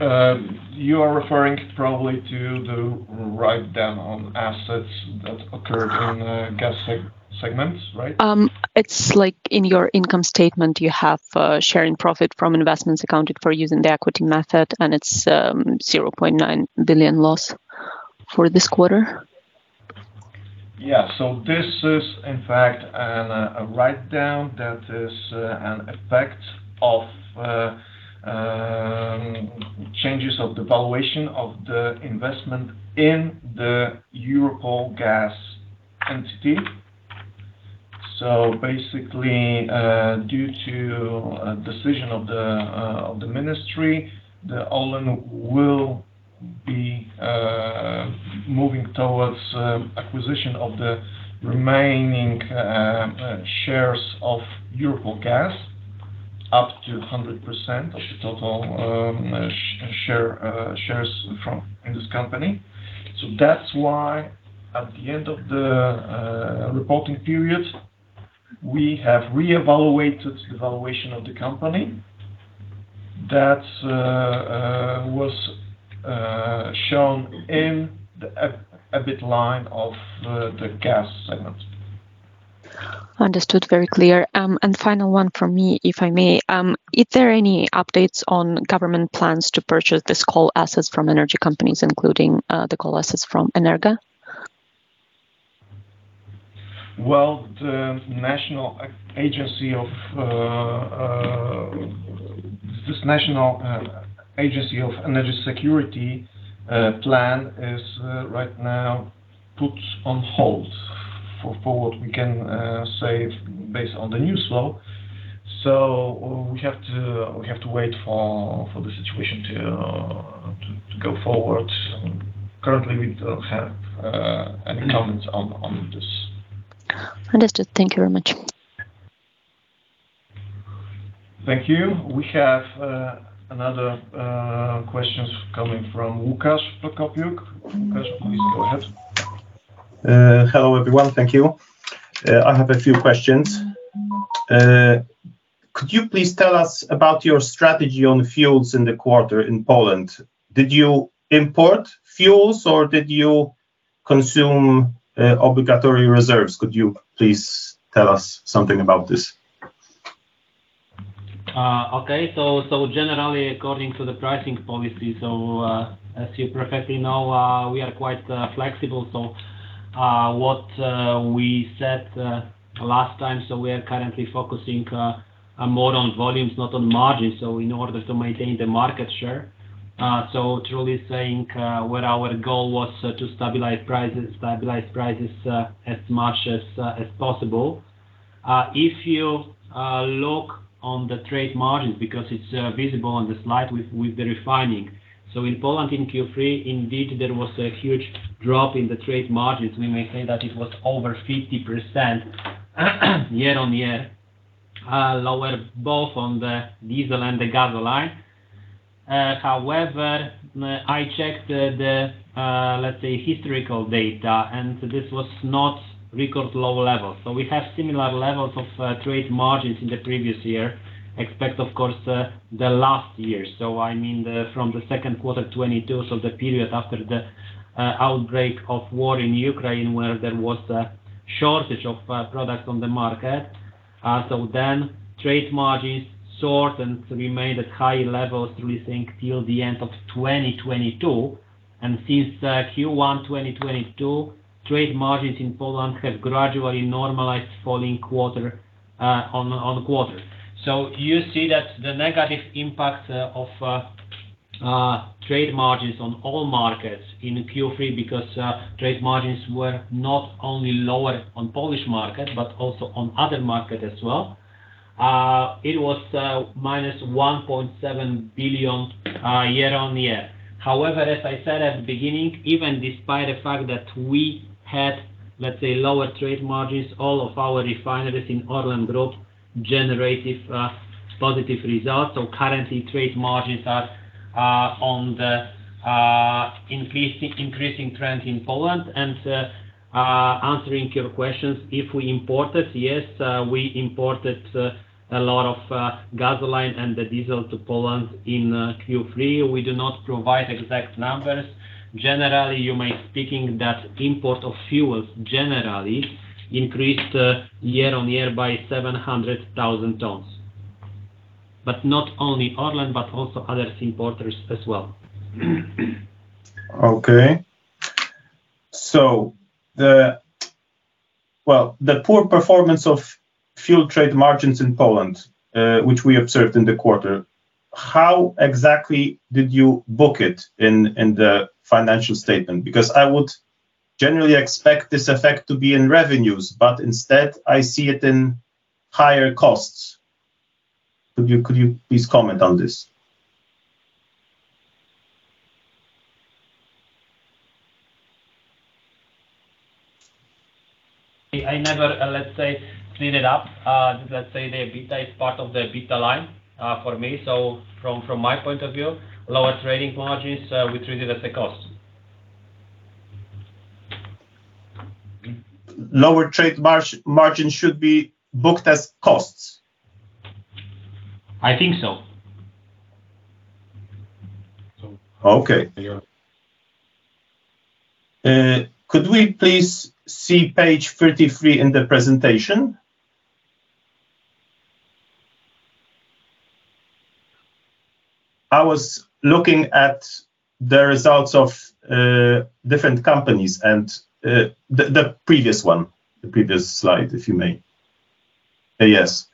again. You are referring probably to the write-down on assets that occurred in the gas segments, right? It's like in your income statement, you have share in profit from investments accounted for using the equity method, and it's 0.9 billion loss for this quarter. Yeah. So this is, in fact, a write-down that is an effect of changes of the valuation of the investment in the Europol Gaz entity. So basically, due to a decision of the ministry, the ORLEN will be moving towards acquisition of the remaining shares of Europol Gaz, up to 100% of the total shares in this company. So that's why at the end of the reporting period, we have re-evaluated the valuation of the company. That was shown in the EBIT line of the gas segment. Understood. Very clear. Final one from me, if I may. Is there any updates on government plans to purchase these coal assets from energy companies, including the coal assets from Energa? Well, the National Agency of Energy Security plan is right now put on hold for forward, we can say, based on the news flow. So we have to wait for the situation to go forward. Currently, we don't have any comments on this. Understood. Thank you very much. Thank you. We have another question coming from Łukasz Prokopiuk. Łukasz, please go ahead. Hello, everyone. Thank you. I have a few questions. Could you please tell us about your strategy on fuels in the quarter in Poland? Did you import fuels or did you consume obligatory reserves? Could you please tell us something about this? Okay. So generally, according to the pricing policy, so, as you perfectly know, we are quite flexible. So, what we said last time, so we are currently focusing more on volumes, not on margins, so in order to maintain the market share. So truly saying, what our goal was to stabilize prices, stabilize prices as much as possible. If you look on the trade margins, because it's visible on the slide with the refining. So in Poland, in Q3, indeed, there was a huge drop in the trade margins. We may say that it was over 50%, year-on-year lower, both on the diesel and the gasoline. However, I checked the, let's say, historical data, and this was not record low levels. So we have similar levels of trade margins in the previous year, except, of course, the last year. So I mean, the, from the second quarter 2022, so the period after the outbreak of war in Ukraine, where there was a shortage of products on the market. So then trade margins soared and remained at high levels, we think, till the end of 2022. And since Q1 2022, trade margins in Poland have gradually normalized falling quarter on quarter. So you see that the negative impact of trade margins on all markets in Q3, because trade margins were not only lower on Polish market but also on other market as well, it was -1.7 billion year-on-year. However, as I said at the beginning, even despite the fact that we had, let's say, lower trade margins, all of our refineries in ORLEN Group generated positive results. Currently, trade margins are on the increasing trend in Poland. Answering your questions, if we imported, yes, we imported a lot of gasoline and the diesel to Poland in Q3. We do not provide exact numbers. Generally, you may speaking that import of fuels generally increased year-on-year by 700,000 tons. But not only ORLEN, but also other importers as well. Okay. So the...Well, the poor performance of fuel trade margins in Poland, which we observed in the quarter, how exactly did you book it in the financial statement? Because I would generally expect this effect to be in revenues, but instead, I see it in higher costs. Could you please comment on this? I never, let's say, clean it up. Let's say, the EBITDA is part of the EBITDA line, for me. So from my point of view, lower trading margins, we treat it as a cost. Lower trade margin should be booked as costs? I think so. Okay. Could we please see page 33 in the presentation? I was looking at the results of different companies and. The previous one, the previous slide, if you may. Yes.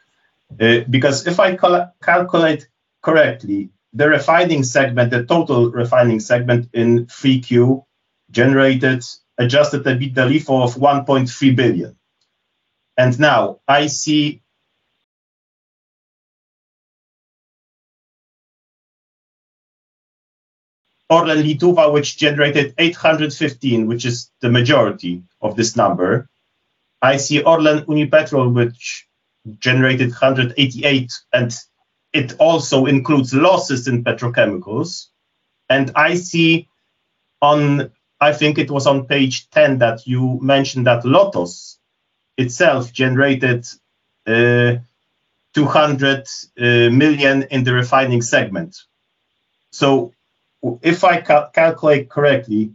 Because if I calculate correctly, the refining segment, the total refining segment in 3Q, generated adjusted EBITDA of 1.3 billion. And now, I see ORLEN Lietuva, which generated 815 million, which is the majority of this number. I see ORLEN Unipetrol, which generated 188 million, and it also includes losses in petrochemicals. And I see on, I think it was on page 10, that you mentioned that LOTOS itself generated 200 million in the refining segment. If I calculate correctly,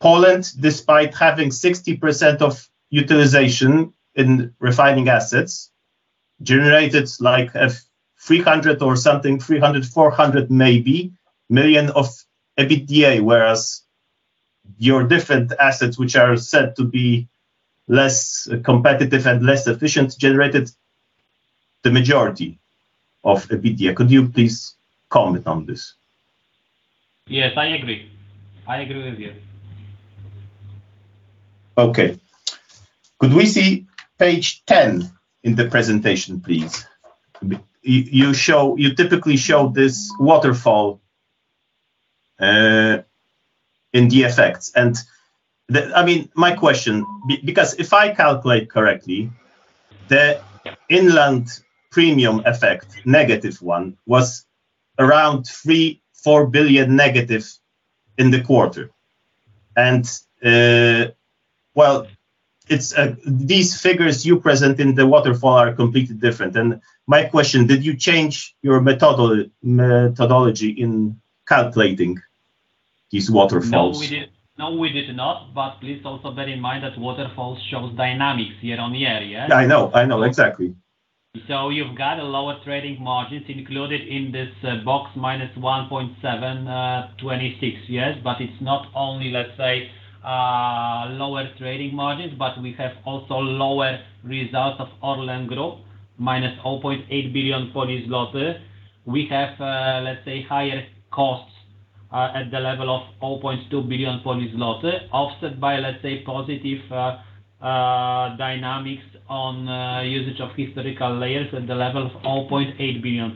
Poland, despite having 60% utilization in refining assets, generated like, 300 million or something, 300 million-400 million maybe, million of EBITDA, whereas your different assets, which are said to be less competitive and less efficient, generated the majority of EBITDA. Could you please comment on this? Yes, I agree. I agree with you. Okay. Could we see page 10 in the presentation, please? You typically show this waterfall in the effects. And the... I mean, my question, because if I calculate correctly, the inland premium effect, negative one, was around 3 billion-4 billion negative in the quarter, and, well, it's these figures you present in the waterfall are completely different. And my question: did you change your methodology in calculating these waterfalls? No, we did not, but please also bear in mind that waterfall shows dynamics year-on-year, yeah? I know, I know. Exactly. So you've got lower trading margins included in this box, -1.726 million. Yes, but it's not only, let's say, lower trading margins, but we have also lower results of ORLEN Group, -0.8 billion. We have, let's say, higher costs, at the level of 0.2 billion, offset by, let's say, positive dynamics on usage of historical layers at the level of 0.8 billion.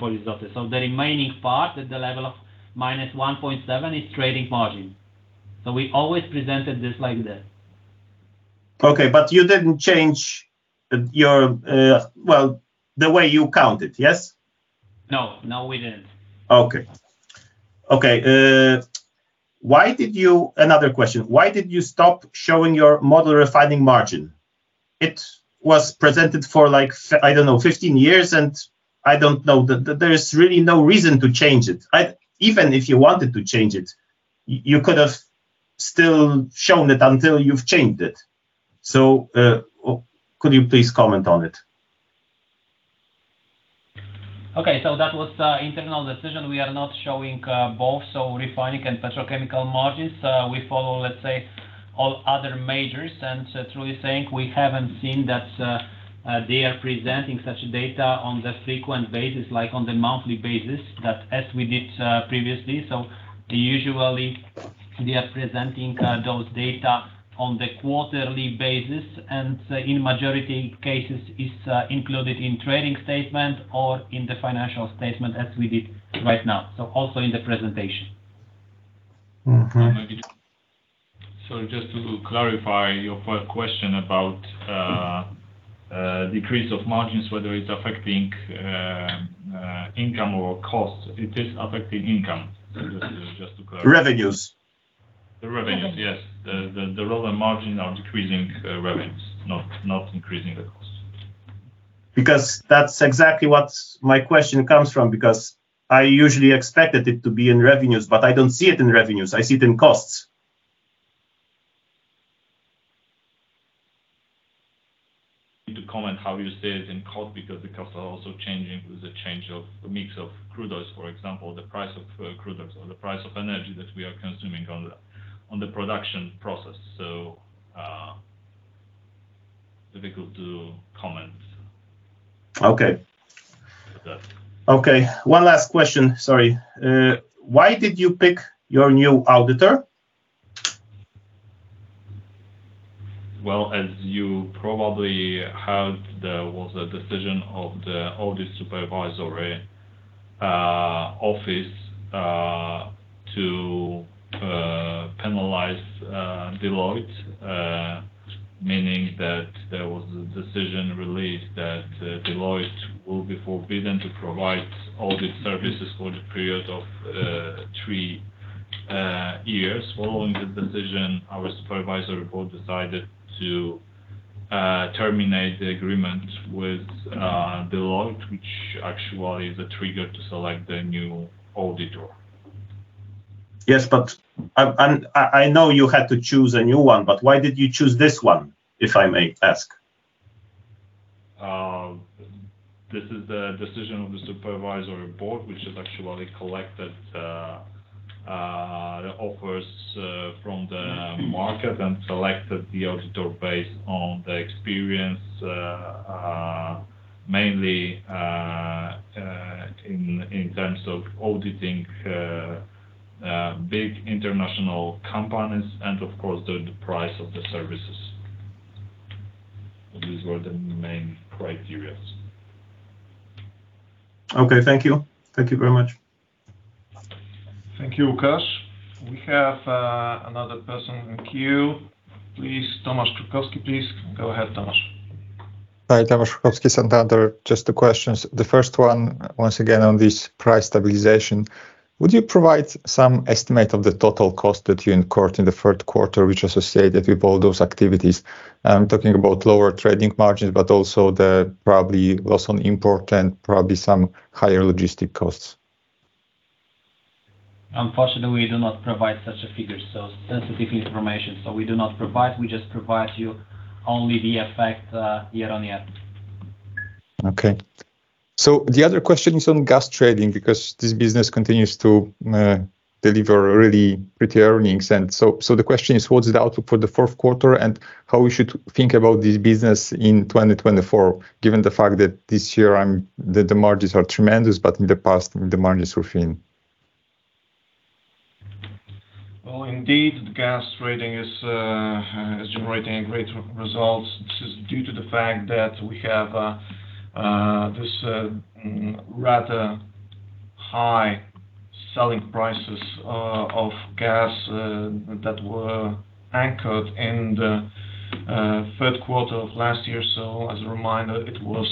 So the remaining part, at the level of -1.7 milion, is trading margin. So we always presented this like this. Okay, but you didn't change your, well, the way you count it, yes? No. No, we didn't. Okay. Okay, why did you. Another question: Why did you stop showing your Model Refining Margin? It was presented for like—I don't know, 15 years, and I don't know, there is really no reason to change it. Even if you wanted to change it, you could have still shown it until you've changed it. So, could you please comment on it? Okay, so that was internal decision. We are not showing both refining and petrochemical margins. We follow, let's say, all other majors, and throughout, we haven't seen that they are presenting such data on the frequent basis, like on the monthly basis, that as we did previously. So usually we are presenting those data on the quarterly basis, and in majority cases, it's included in trading statement or in the financial statement, as we did right now, so also in the presentation. Mm-hmm. So just to clarify your first question about decrease of margins, whether it's affecting income or cost, it is affecting income. Just, just to clarify. Revenues. The revenues, yes. Okay. The lower margin are decreasing revenues, not increasing the cost. Because that's exactly what my question comes from, because I usually expected it to be in revenues, but I don't see it in revenues, I see it in costs. To comment how you see it in cost, because the costs are also changing with the change of the mix of crude oils, for example, the price of crude oils or the price of energy that we are consuming on the production process, so difficult to comment. Okay. Okay. Okay, one last question. Sorry. Why did you pick your new auditor? Well, as you probably heard, there was a decision of the Audit Supervisory Office to penalize Deloitte, meaning that there was a decision released that Deloitte will be forbidden to provide audit services for the period of three years. Following the decision, our Supervisory Board decided to terminate the agreement with Deloitte, which actually is a trigger to select the new auditor. Yes, but I know you had to choose a new one, but why did you choose this one, if I may ask? This is the decision of the Supervisory Board, which has actually collected offers from the market and selected the auditor based on the experience mainly in terms of auditing big international companies and of course, the price of the services. These were the main criteria. Okay, thank you. Thank you very much. Thank you, Łukasz. We have another person in queue. Please, Tomasz Krukowski, please. Go ahead, Tomasz. Hi, Tomasz Krukowski, Santander. Just two questions. The first one, once again, on this price stabilization. Would you provide some estimate of the total cost that you incurred in the third quarter, which associated with all those activities? I'm talking about lower trading margins, but also the probably loss on import and probably some higher logistic costs. Unfortunately, we do not provide such a figure, so sensitive information, so we do not provide. We just provide you only the effect, year-on-year. Okay. So the other question is on gas trading, because this business continues to deliver really pretty earnings. And so, the question is, what is the outlook for the fourth quarter, and how we should think about this business in 2024, given the fact that this year, the margins are tremendous, but in the past, the margins were thin? Well, indeed, gas trading is generating great results. This is due to the fact that we have this rather high selling prices of gas that were anchored in the third quarter of last year. So as a reminder, it was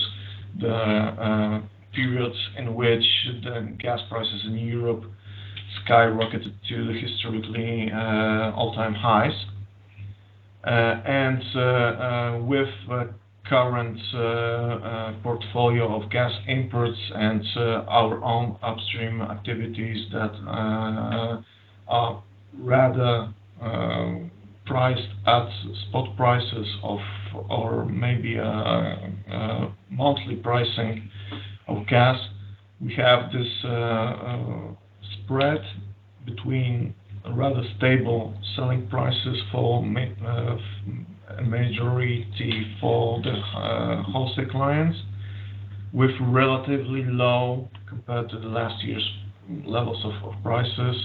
the period in which the gas prices in Europe skyrocketed to historically all-time highs. And with current portfolio of gas imports and our own upstream activities that are rather priced at spot prices of- or maybe monthly pricing of gas, we have this spread between rather stable selling prices for majority for the wholesale clients, with relatively low compared to the last year's levels of prices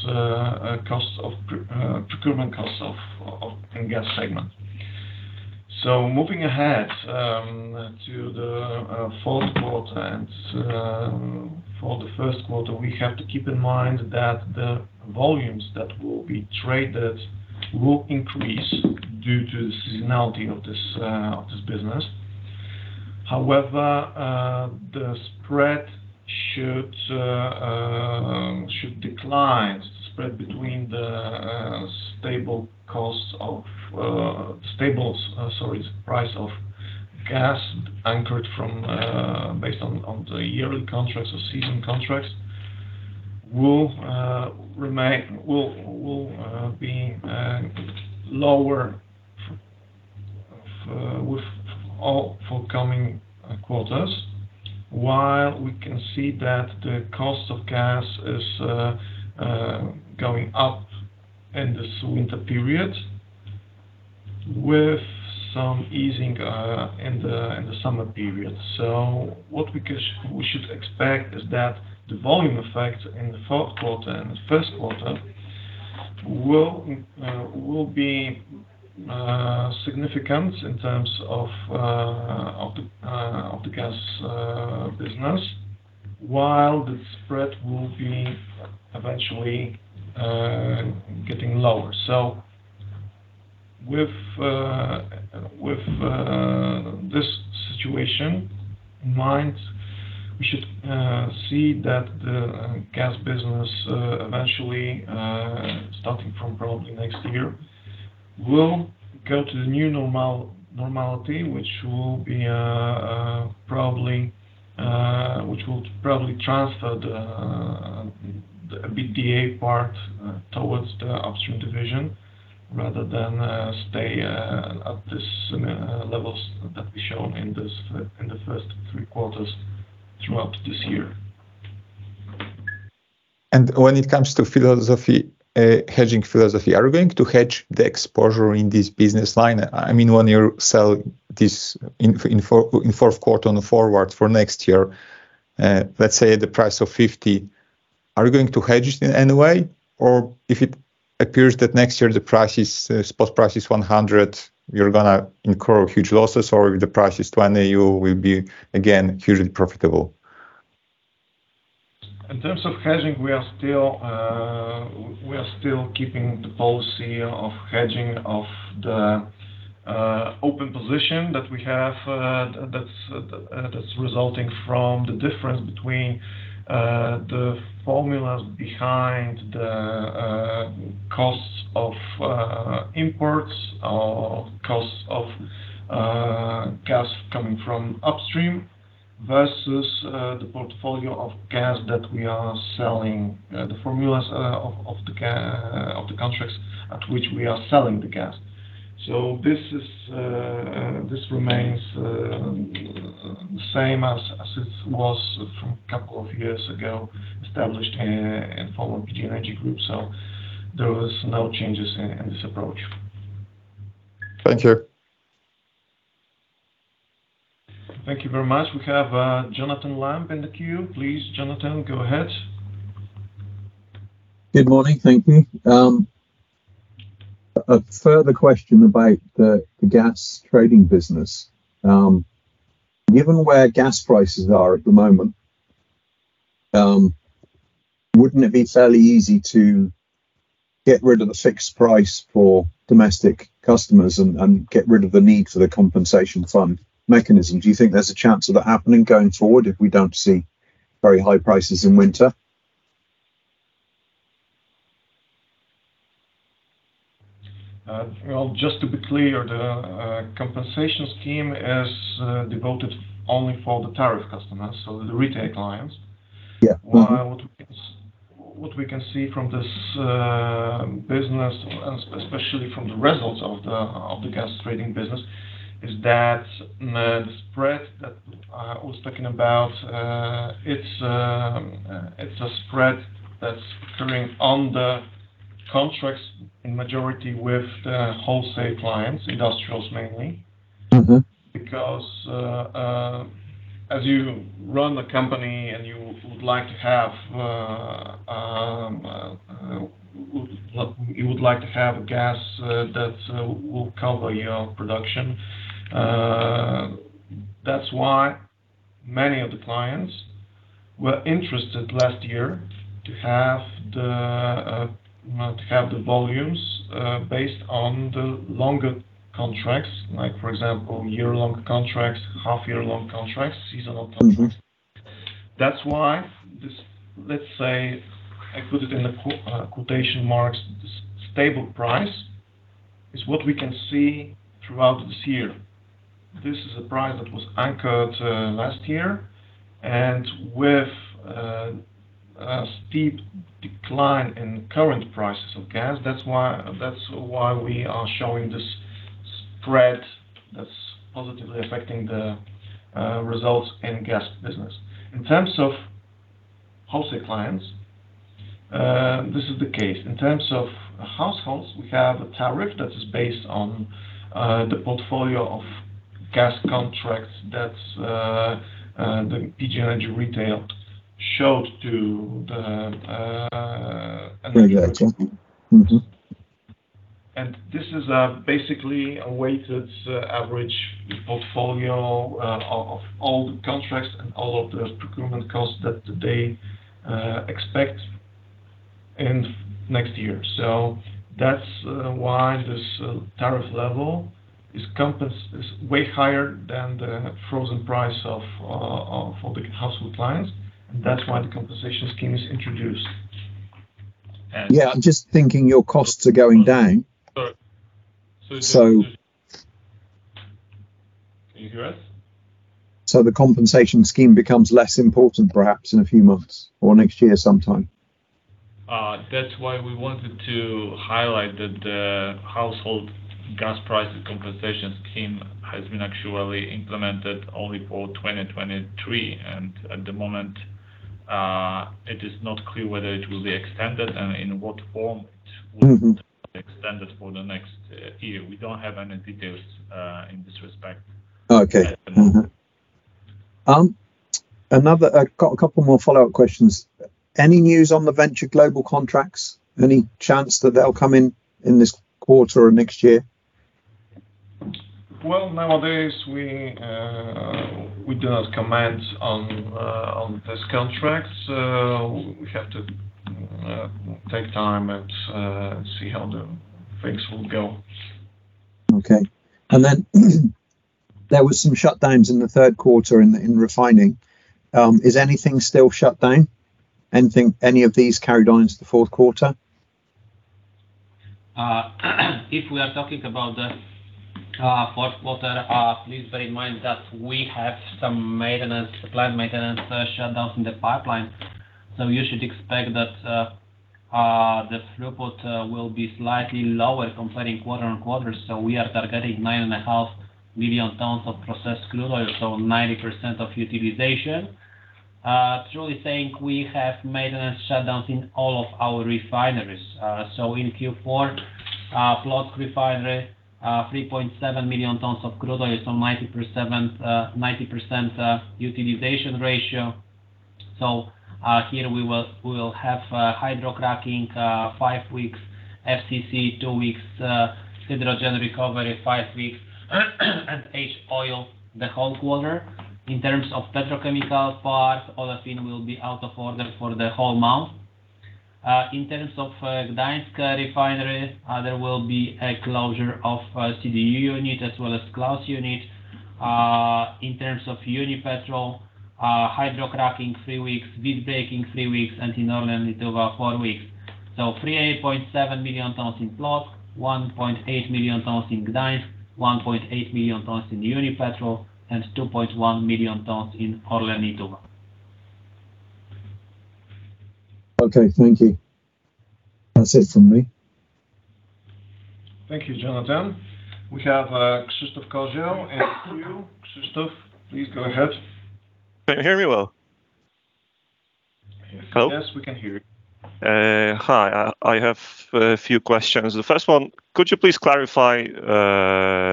costs of procurement costs of in gas segment. So moving ahead, to the fourth quarter and for the first quarter, we have to keep in mind that the volumes that will be traded will increase due to the seasonality of this business. However, the spread should decline. The spread between the stable costs of stables, sorry, price of gas anchored from based on the yearly contracts or season contracts, will remain, will be lower with all forthcoming quarters, while we can see that the cost of gas is going up in this winter period with some easing in the summer period. So what we should expect is that the volume effect in the fourth quarter and the first quarter will be significant in terms of the gas business, while the spread will be eventually getting lower. So with this situation in mind, we should see that the gas business eventually, starting from probably next year, will go to the new normality, which will probably transfer the EBITDA part towards the upstream division, rather than stay at this levels that we shown in this in the first three quarters throughout this year. When it comes to philosophy, hedging philosophy, are you going to hedge the exposure in this business line? I mean, when you sell this in fourth quarter on the forward for next year, let's say at the price of $50, are you going to hedge it in any way? Or if it appears that next year the price is spot price is $100, you're gonna incur huge losses, or if the price is $20, you will be again hugely profitable? In terms of hedging, we are still keeping the policy of hedging of the open position that we have, that's resulting from the difference between the formulas behind the costs of imports or costs of gas coming from upstream, versus the portfolio of gas that we are selling. The formulas of the contracts at which we are selling the gas. So this remains the same as it was from a couple of years ago, established in PGNiG Group, so there was no changes in this approach. Thank you. Thank you very much. We have, Jonathan Lamb in the queue. Please, Jonathan, go ahead. Good morning. Thank you. A further question about the gas trading business. Given where gas prices are at the moment, wouldn't it be fairly easy to get rid of the fixed price for domestic customers and, and get rid of the need for the compensation fund mechanism? Do you think there's a chance of that happening going forward, if we don't see very high prices in winter? Well, just to be clear, the compensation scheme is devoted only for the tariff customers, so the retail clients. Yeah. Mm-hmm. What we, what we can see from this business, and especially from the results of the gas trading business, is that the spread that I was talking about, it's a spread that's occurring on the contracts in majority with the wholesale clients, industrials mainly. Mm-hmm. Because, as you run the company, and you would like to have a gas that will cover your production, that's why many of the clients were interested last year to have the, well, to have the volumes based on the longer contracts, like, for example, year-long contracts, half-year long contracts, seasonal contracts. Mm-hmm. That's why this, let's say, I put it in the quotation marks, "stable price," is what we can see throughout this year. This is a price that was anchored last year, and with a steep decline in current prices of gas, that's why we are showing this spread that's positively affecting the results in gas business. In terms of wholesale clients, this is the case. In terms of households, we have a tariff that is based on the portfolio of gas contracts that the PGNiG Retail showed to the energy- Yeah, exactly. Mm-hmm. And this is basically a weighted average portfolio of all the contracts and all of the procurement costs that they expect in next year. So that's why this tariff level is way higher than the frozen price for the household clients, and that's why the compensation scheme is introduced. Yeah, I'm just thinking your costs are going down. Sorry. So- So- Can you hear us? The compensation scheme becomes less important, perhaps, in a few months or next year sometime. That's why we wanted to highlight that the household gas prices compensation scheme has been actually implemented only for 2023, and at the moment it is not clear whether it will be extended, and in what form- Mm-hmm. It will be extended for the next year. We don't have any details in this respect. Okay. Mm-hmm. Another. I've got a couple more follow-up questions. Any news on the Venture Global contracts? Any chance that they'll come in, in this quarter or next year? Well, nowadays, we, we do not comment on, on these contracts. We have to take time and see how the things will go. Okay. And then there was some shutdowns in the third quarter in refining. Is anything still shut down? Anything, any of these carried on into the fourth quarter? If we are talking about the fourth quarter, please bear in mind that we have some maintenance, planned maintenance shutdowns in the pipeline. So you should expect that the throughput will be slightly lower comparing quarter-on-quarter. So we are targeting 9.5 million tons of processed crude oil, so 90% of utilization. Truly saying we have maintenance shutdowns in all of our refineries. So in Q4, Płock refinery, 3.7 million tons of crude oil, so 90% utilization ratio. So here we will have hydrocracking five weeks, FCC two weeks, hydrogen recovery five weeks, and H-Oil the whole quarter. In terms of petrochemical part, Olefins will be out of order for the whole month. In terms of Gdańsk refinery, there will be a closure of CDU unit as well as Claus unit. In terms of Unipetrol, hydrocracking three weeks, visbreaking three weeks, and in ORLEN Lietuva, four weeks. So 38.7 million tons in Płock, 1.8 million tons in Gdańsk, 1.8 million tons in Unipetrol, and 2.1 million tons in ORLEN Lietuva. Okay, thank you. That's it from me. Thank you, Jonathan. We have, Krzysztof Kozieł, and Krzysztof, please go ahead. Can you hear me well? Hello? Yes, we can hear you. Hi, I have a few questions. The first one, could you please clarify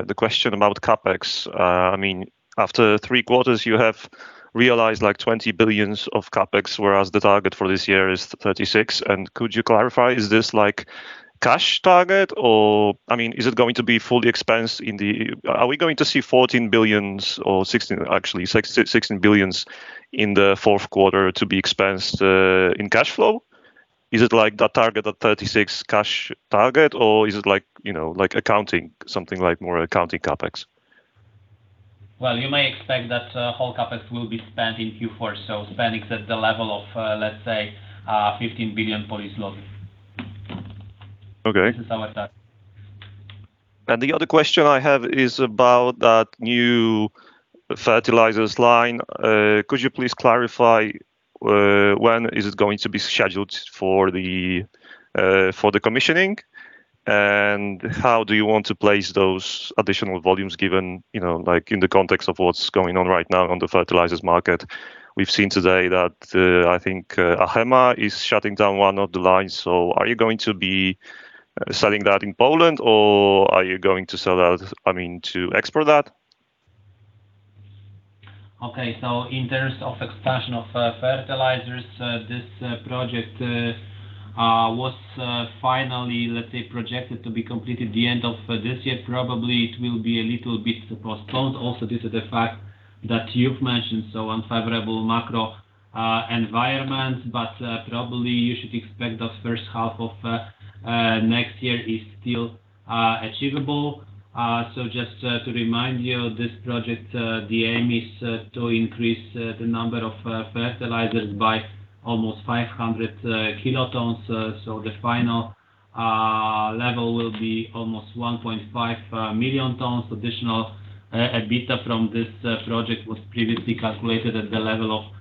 the question about CapEx? I mean, after three quarters, you have realized, like, 20 billion of CapEx, whereas the target for this year is 36 billion. Could you clarify, is this like cash target or I mean, is it going to be fully expensed in the- Are we going to see 14 billion or 16 billion, actually 16.6 billion in the fourth quarter to be expensed in cash flow? Is it like the target of 36 billion cash target, or is it like, you know, like accounting, something like more accounting CapEx? Well, you may expect that whole CapEx will be spent in Q4, so spendings at the level of, let's say, 15 billion. Okay. Something like that. The other question I have is about that new fertilizers line. Could you please clarify when is it going to be scheduled for the commissioning? And how do you want to place those additional volumes given, you know, like, in the context of what's going on right now on the fertilizers market? We've seen today that, I think, Achema is shutting down one of the lines. So are you going to be selling that in Poland, or are you going to sell that, I mean, to export that? Okay. So in terms of expansion of fertilizers, this project was finally, let's say, projected to be completed at the end of this year. Probably it will be a little bit postponed also due to the fact that you've mentioned, so unfavorable macro environment, but probably you should expect that first half of next year is still achievable. So just to remind you, this project, the aim is to increase the number of fertilizers by almost 500 kilotons. So the final level will be almost 1.5 million tons. Additional EBITDA from this project was previously calculated at the level of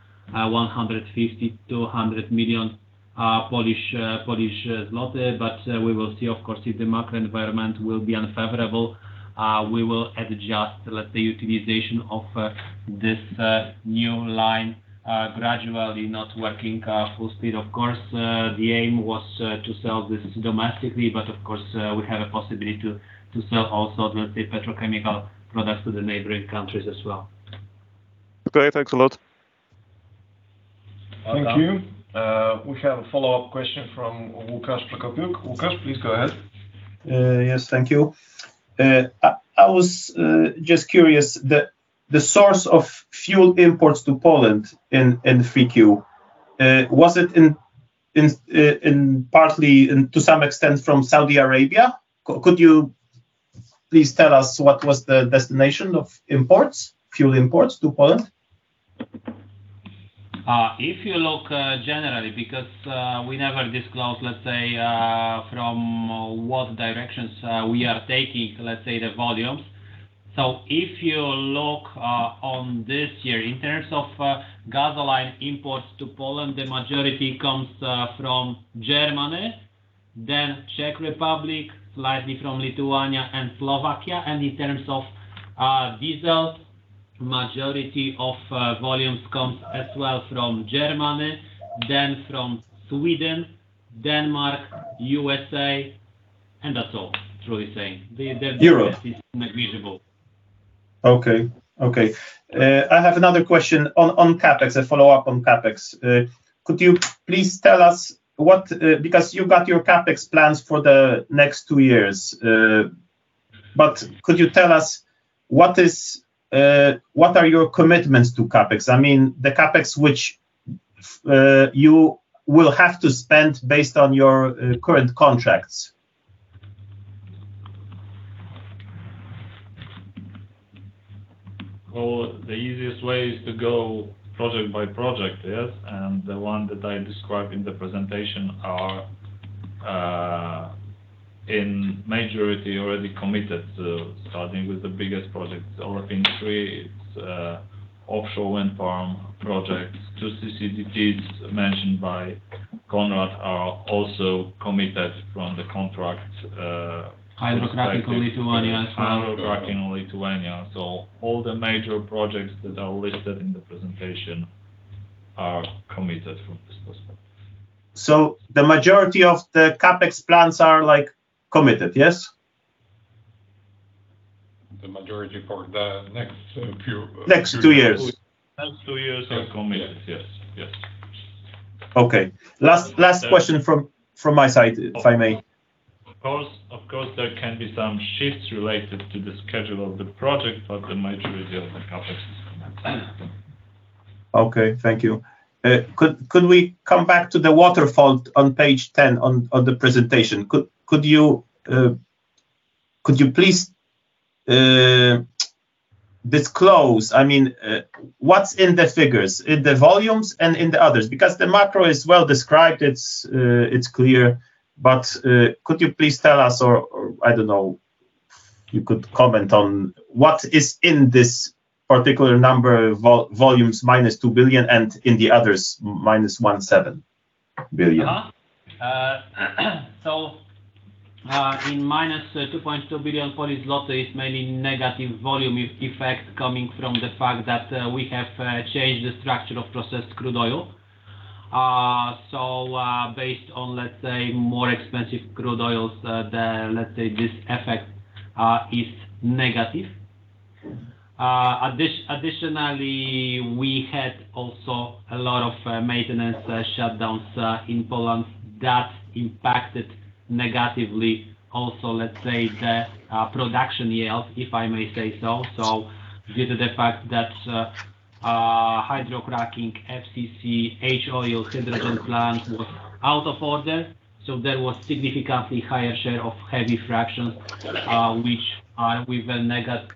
150 million-200 million Polish zloty. But, we will see, of course, if the macro environment will be unfavorable, we will adjust, let's say, utilization of this new line gradually, not working full speed. Of course, the aim was to sell this domestically, but of course, we have a possibility to sell also, let's say, petrochemical products to the neighboring countries as well. Okay, thanks a lot. Thank you. We have a follow-up question from Łukasz Prokopiuk. Łukasz, please go ahead. Yes, thank you. I was just curious, the source of fuel imports to Poland in 3Q, was it in partly and to some extent from Saudi Arabia? Could you please tell us what was the destination of imports, fuel imports to Poland? If you look, generally, because we never disclose, let's say, from what directions we are taking, let's say, the volumes. So if you look, on this year, in terms of, gasoline imports to Poland, the majority comes, from Germany then Czech Republic, slightly from Lithuania and Slovakia. And in terms of, diesel, majority of, volumes comes as well from Germany, then from Sweden, Denmark, USA, and that's all, truly saying. Zero. Negligible. Okay, okay. I have another question on, on CapEx, a follow-up on CapEx. Could you please tell us what, because you've got your CapEx plans for the next two years, but could you tell us what is, what are your commitments to CapEx? I mean, the CapEx which, you will have to spend based on your, current contracts. Well, the easiest way is to go project by project, yes, and the one that I described in the presentation are in majority already committed to starting with the biggest project, ORLEN Wind 3. It's offshore wind farm projects. Two CCGTs mentioned by Konrad are also committed from the contract. Hydrocracking in Lithuania as well. Hydrocracking in Lithuania. So all the major projects that are listed in the presentation are committed from this perspective. The majority of the CapEx plans are, like, committed, yes? The majority for the next few- Next two years. Next two years are committed. Yes, yes. Okay. Last question from my side, if I may. Of course, of course, there can be some shifts related to the schedule of the project, but the majority of the CapEx is committed. Okay, thank you. Could we come back to the waterfall on page 10 on the presentation? Could you please disclose, I mean, what's in the figures, in the volumes and in the others? Because the macro is well described, it's clear, but could you please tell us or, I don't know, you could comment on what is in this particular number, volumes, -2 billion, and in the others, -1.7 billion? So, in -2.2 billion is mainly negative volume effect coming from the fact that, we have changed the structure of processed crude oil. So, based on, let's say, more expensive crude oils, the let's say this effect is negative. Additionally, we had also a lot of maintenance shutdowns in Poland that impacted negatively also, let's say, the production yield, if I may say so. So due to the fact that, hydrocracking, FCC, H-Oil, hydrogen plant was out of order, so there was significantly higher share of heavy fractions, which are with a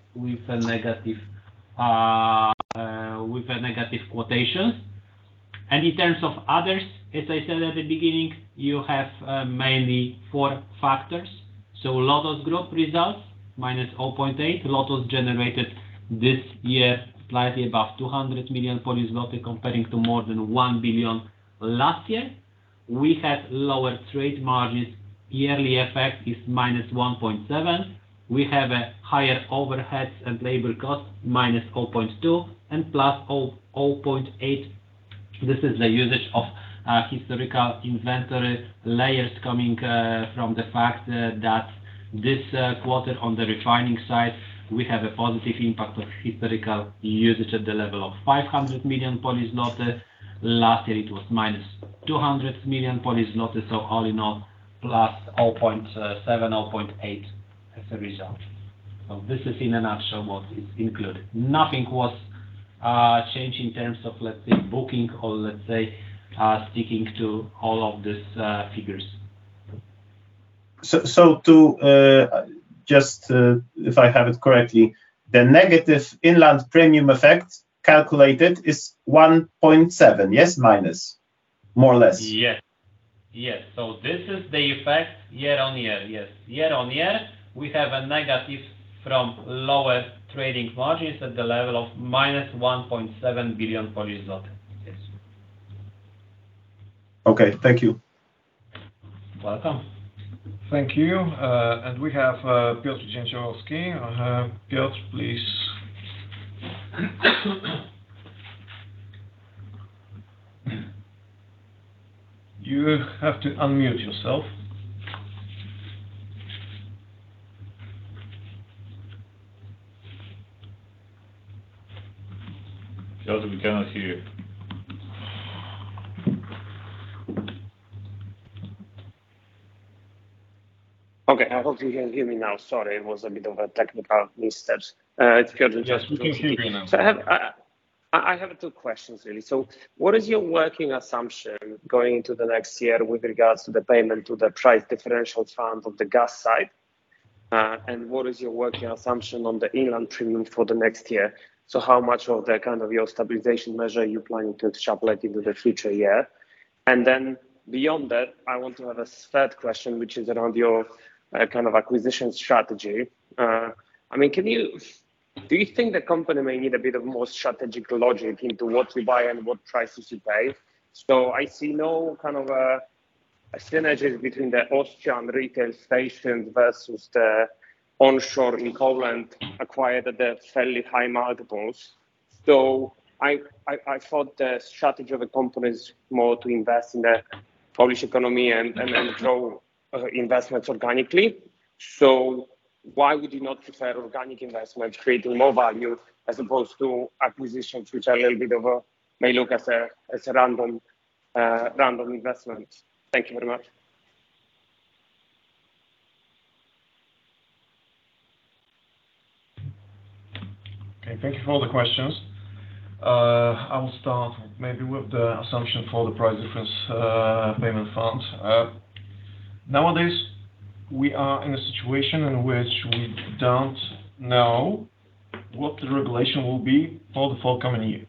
negative quotation. And in terms of others, as I said at the beginning, you have mainly four factors. So a lot of group results, -0.8 billion, a lot was generated this year, slightly above 200 million, comparing to more than 1 billion last year. We had lower trade margins. Yearly effect is -1.7 billion. We have higher overheads and labor costs, -0.2 billion, and +0.8 billion. This is the usage of historical inventory layers coming from the fact that this quarter on the refining side, we have a positive impact of historical usage at the level of 500 million. Last year, it was -200 million, so all in all, +0.7 billion, 0.8 billion as a result. So this is in a nutshell, what is included. Nothing was changed in terms of, let's say, booking or, let's say, sticking to all of these figures. So, to just, if I have it correctly, the negative inland premium effect calculated is 1.7 billion, yes, minus? More or less. Yes. Yes, so this is the effect year-on-year. Yes, year-on-year, we have a negative from lower trading margins at the level of -1.7 billion Polish zloty. Yes. Okay, thank you. Welcome. Thank you, and we have Piotr Dzięciołowski. Piotr, please. You have to unmute yourself. Piotr, we cannot hear you. Okay, I hope you can hear me now. Sorry, it was a bit of a technical missteps. It's Piotr Dzięciołowski. We can hear you now. So I have two questions, really. So what is your working assumption going into the next year with regards to the payment to the price differential fund on the gas side? And what is your working assumption on the inland premium for the next year? So how much of the, kind of, your stabilization measure are you planning to extrapolate into the future year? And then beyond that, I want to have a third question, which is around your, kind of acquisition strategy. I mean, do you think the company may need a bit more strategic logic into what to buy and what prices to pay? So I see no kind of a synergy between the Austrian retail stations versus the onshore in Poland acquired at the fairly high multiples. So I thought the strategy of the company is more to invest in the Polish economy and grow investments organically. So why would you not prefer organic investment creating more value as opposed to acquisitions, which are a little bit of a may look as a random investment? Thank you very much. Okay, thank you for all the questions. I will start maybe with the assumption for the Price Difference Payment Fund. Nowadays, we are in a situation in which we don't know what the regulation will be for the forthcoming year.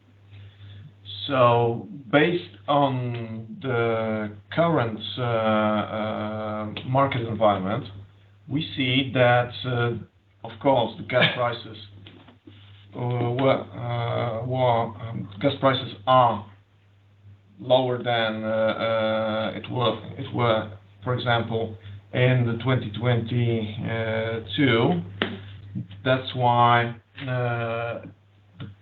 So based on the current market environment, we see that, of course, the gas prices are lower than they were, for example, in 2022. That's why the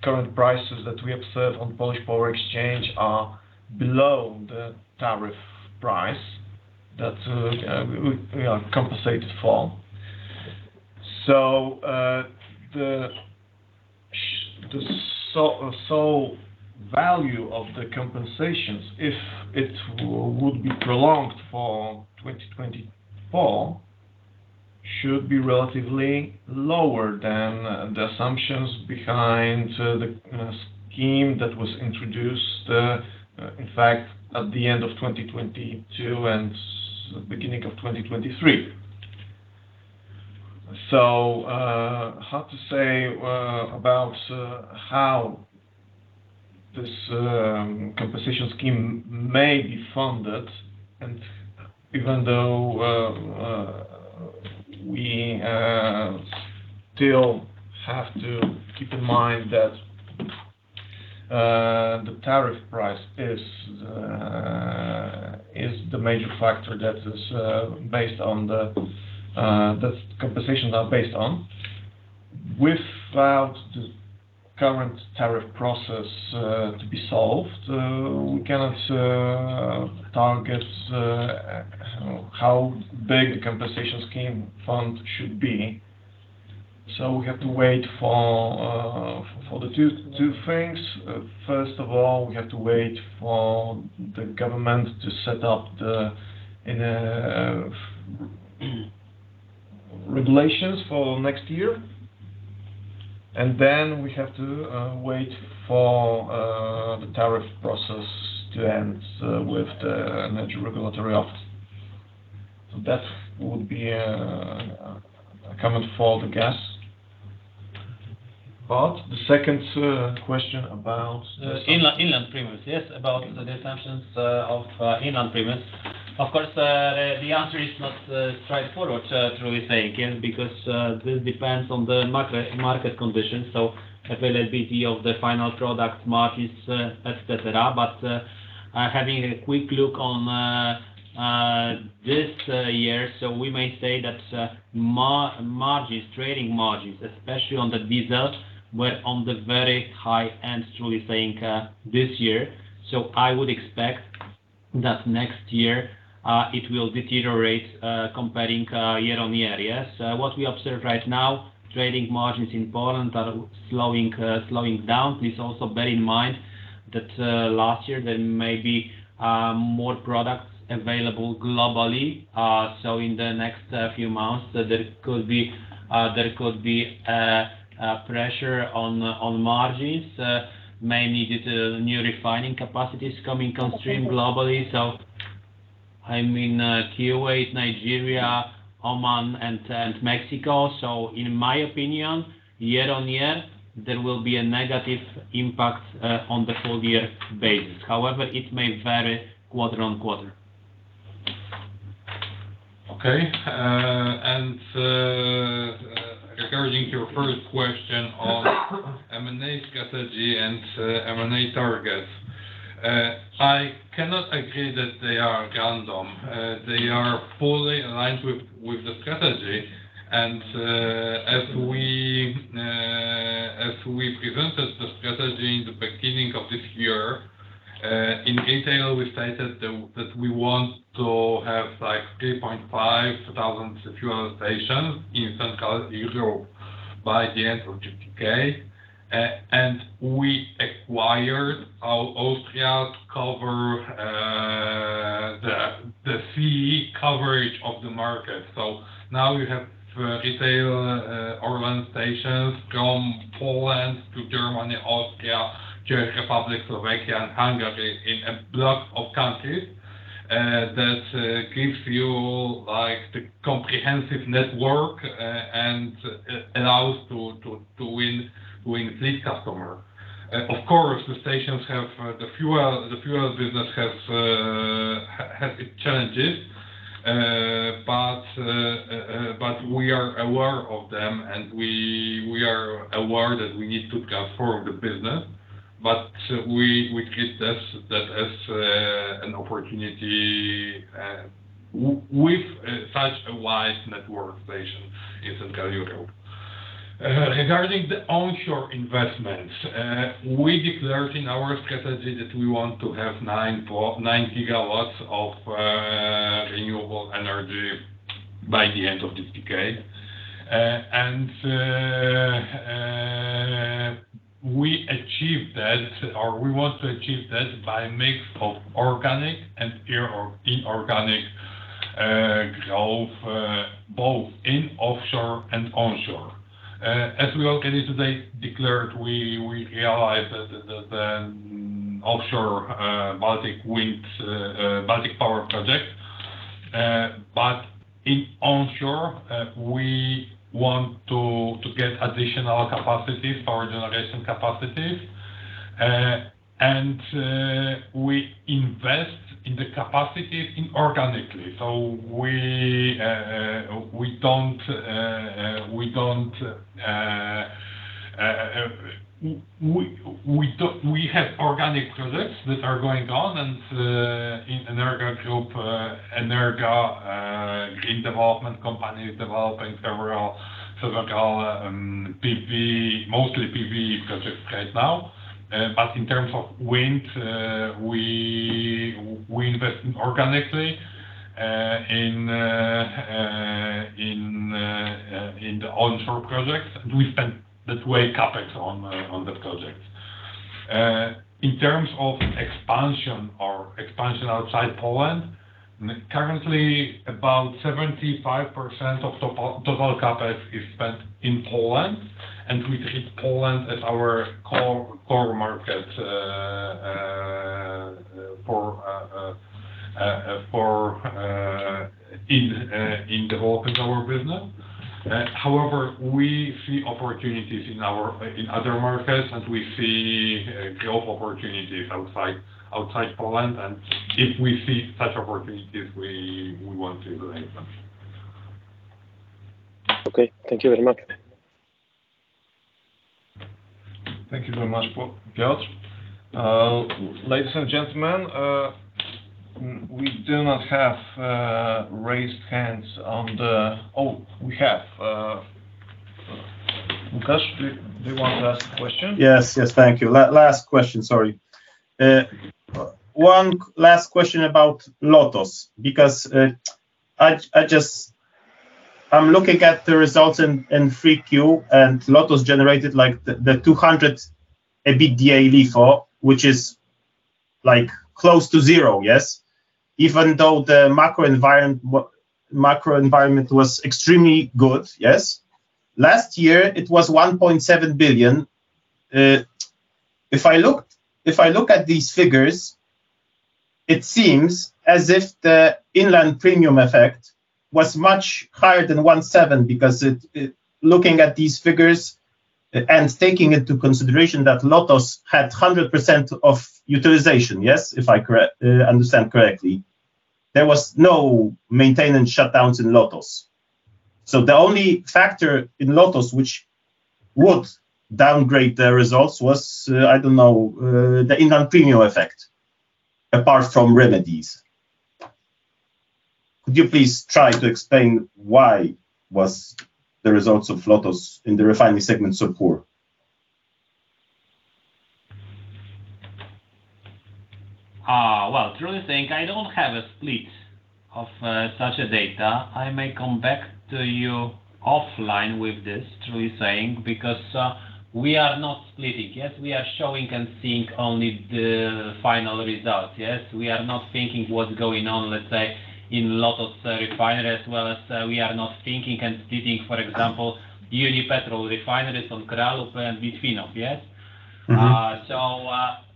current prices that we observe on Polish Power Exchange are below the tariff price that we are compensated for. So, the value of the compensations, if it would be prolonged for 2024, should be relatively lower than the assumptions behind the scheme that was introduced, in fact, at the end of 2022 and beginning of 2023. So, hard to say about how this compensation scheme may be funded, and even though we still have to keep in mind that the tariff price is the major factor that compensations are based on. Without the current tariff process to be solved, we cannot target how big the compensation scheme fund should be. So we have to wait for the two things. First of all, we have to wait for the government to set up the regulations for next year, and then we have to wait for the tariff process to end with the Energy Regulatory Office. So that would be a comment for the gas. But the second question about? Inland premiums. Yes, about the assumptions of inland premiums. Of course, the answer is not straightforward, truly saying, because this depends on the market conditions, so availability of the final product markets, et cetera. But having a quick look on this year, so we may say that margins, trading margins, especially on the diesel, were on the very high end, truly saying, this year. So I would expect that next year it will deteriorate comparing year on year. Yes. What we observe right now, trading margins in Poland are slowing down. Please also bear in mind that last year there may be more products available globally. So in the next few months, there could be a pressure on margins, mainly due to new refining capacities coming on stream globally. So I mean, Kuwait, Nigeria, Oman, and Mexico. So in my opinion, year-on-year, there will be a negative impact on the full year basis. However, it may vary quarter-on-quarter. Okay. Regarding your first question on M&A strategy and M&A targets, I cannot agree that they are random. They are fully aligned with the strategy. And as we presented the strategy in the beginning of this year, in detail, we stated that we want to have, like, 3,500 fuel stations in Central Europe by the end of the decade. And we acquired in Austria to cover the full coverage of the market. So now we have retail ORLEN stations from Poland to Germany, Austria, Czech Republic, Slovakia, and Hungary, in a block of countries that gives you, like, the comprehensive network and allows to win this customer. Of course, the stations have the fuel, the fuel business has its challenges but we are aware of them, and we, we are aware that we need to transform the business, but we, we treat this, that as, an opportunity, with such a wide network station in Central Europe. Regarding the onshore investments, we declared in our strategy that we want to have 9 GW of renewable energy by the end of this decade. And, we achieved that, or we want to achieve that by a mix of organic and inorganic growth, both in offshore and onshore. As we already today declared, we, we realized that the, the offshore, Baltic Power project, but in onshore, we want to, to get additional capacities, power generation capacities. And, we invest in the capacities inorganically. So we have organic projects that are going on, and in Energa Group, Energa Green Development company is developing several PV, mostly PV projects right now. But in terms of wind, we invest inorganically in the onshore projects, and we spend that way CapEx on that project. In terms of expansion outside Poland, currently, about 75% of total CapEx is spent in Poland, and we treat Poland as our core market for developing our business. However, we see opportunities in our in other markets, and we see growth opportunities outside Poland, and if we see such opportunities, we want to utilize them. Okay, thank you very much. Thank you very much, Piotr. Ladies and gentlemen, we do not have raised hands on the. Oh, we have. Łukasz, do you, do you want to ask a question? Yes. Yes, thank you. Last question, sorry. One last question about LOTOS, because, I'm looking at the results in 3Q, and LOTOS generated, like, the 200 EBITDA LIFO, which is, like, close to zero, yes? Even though the macro environment was extremely good, yes? Last year, it was 1.7 billion. If I look at these figures, it seems as if the inland premium effect was much higher than 1.7 billion, because, looking at these figures and taking into consideration that LOTOS had 100% utilization, yes, if I understand correctly, there was no maintenance shutdowns in LOTOS. So the only factor in LOTOS, which would downgrade the results, was, I don't know, the inland premium effect, apart from remedies. Could you please try to explain why was the results of LOTOS in the refinery segment so poor? Well, truly saying, I don't have a split of such a data. I may come back to you offline with this, truly saying, because we are not splitting. Yes, we are showing and seeing only the final results. Yes, we are not thinking what's going on, let's say, in LOTOS refinery, as well as we are not thinking and splitting, for example, Unipetrol refineries on Kralupy and Litvinov, yes? Mm-hmm. So,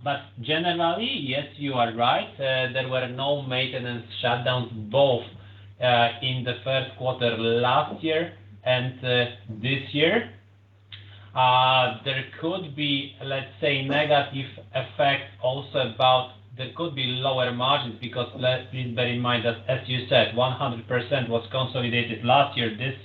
but generally, yes, you are right. There were no maintenance shutdowns, both in the first quarter last year and this year. There could be, let's say, negative effect also about. There could be lower margins, because please bear in mind that, as you said, 100% was consolidated last year. This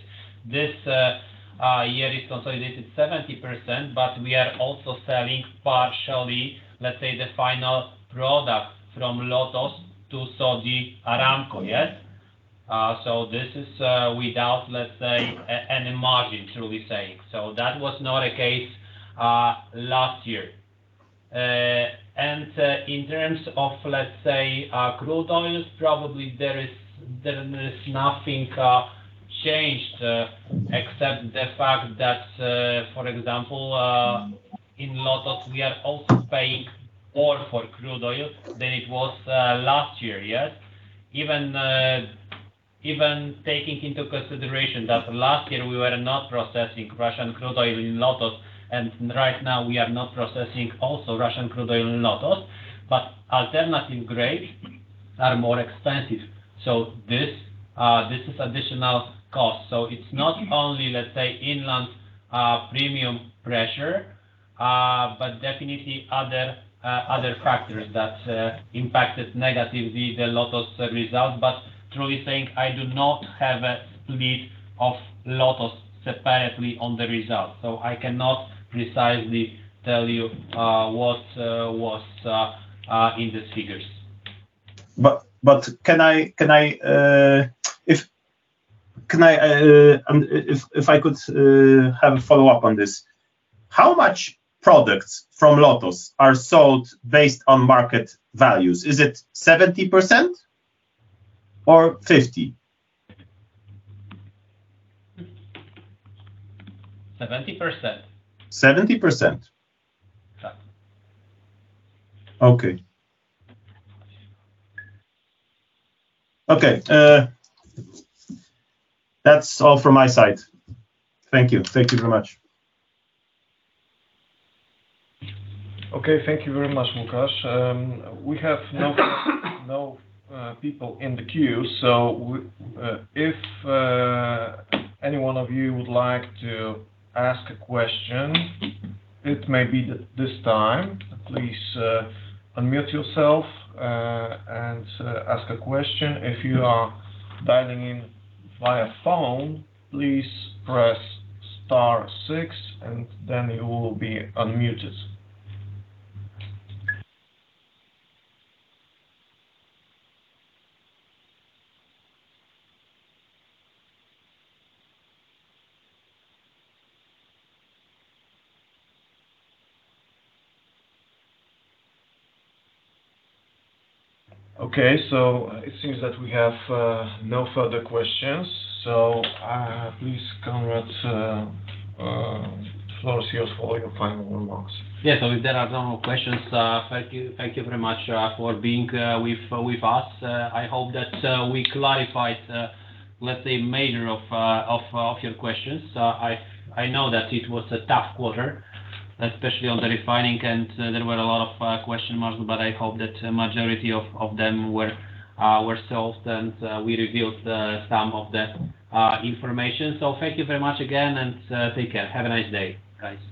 year is consolidated 70%, but we are also selling partially, let's say, the final product from LOTOS to Saudi Aramco, yes? So this is, without, let's say, any margin, truly saying. So that was not a case last year. And, in terms of, let's say, crude oils, probably there is nothing changed, except the fact that, for example, in LOTOS, we are also paying more for crude oil than it was last year. Yes? Even, even taking into consideration that last year we were not processing Russian crude oil in LOTOS, and right now we are not processing also Russian crude oil in LOTOS, but alternative grades are more expensive. So this, this is additional cost. So it's not only, let's say, inland, premium pressure, but definitely other, other factors that impacted negatively the LOTOS results. But truly saying, I do not have a split of LOTOS separately on the results, so I cannot precisely tell you, what was in the figures. But can I have a follow-up on this? How much products from LOTOS are sold based on market values? Is it 70% or 50%? 70%. 70%? Yeah. Okay. Okay, that's all from my side. Thank you. Thank you very much. Okay, thank you very much, Łukasz. We have no, no, people in the queue, so if anyone of you would like to ask a question, it may be this time. Please, unmute yourself, and ask a question. If you are dialing in via phone, please press star six, and then you will be unmuted. Okay, so it seems that we have no further questions. So, please, Konrad, floor is yours for your final remarks. Yeah, so if there are no more questions, thank you, thank you very much for being with us. I hope that we clarified, let's say, majority of your questions. I know that it was a tough quarter, especially on the refining, and there were a lot of question marks, but I hope that majority of them were solved, and we revealed some of the information. So thank you very much again, and take care. Have a nice day, guys.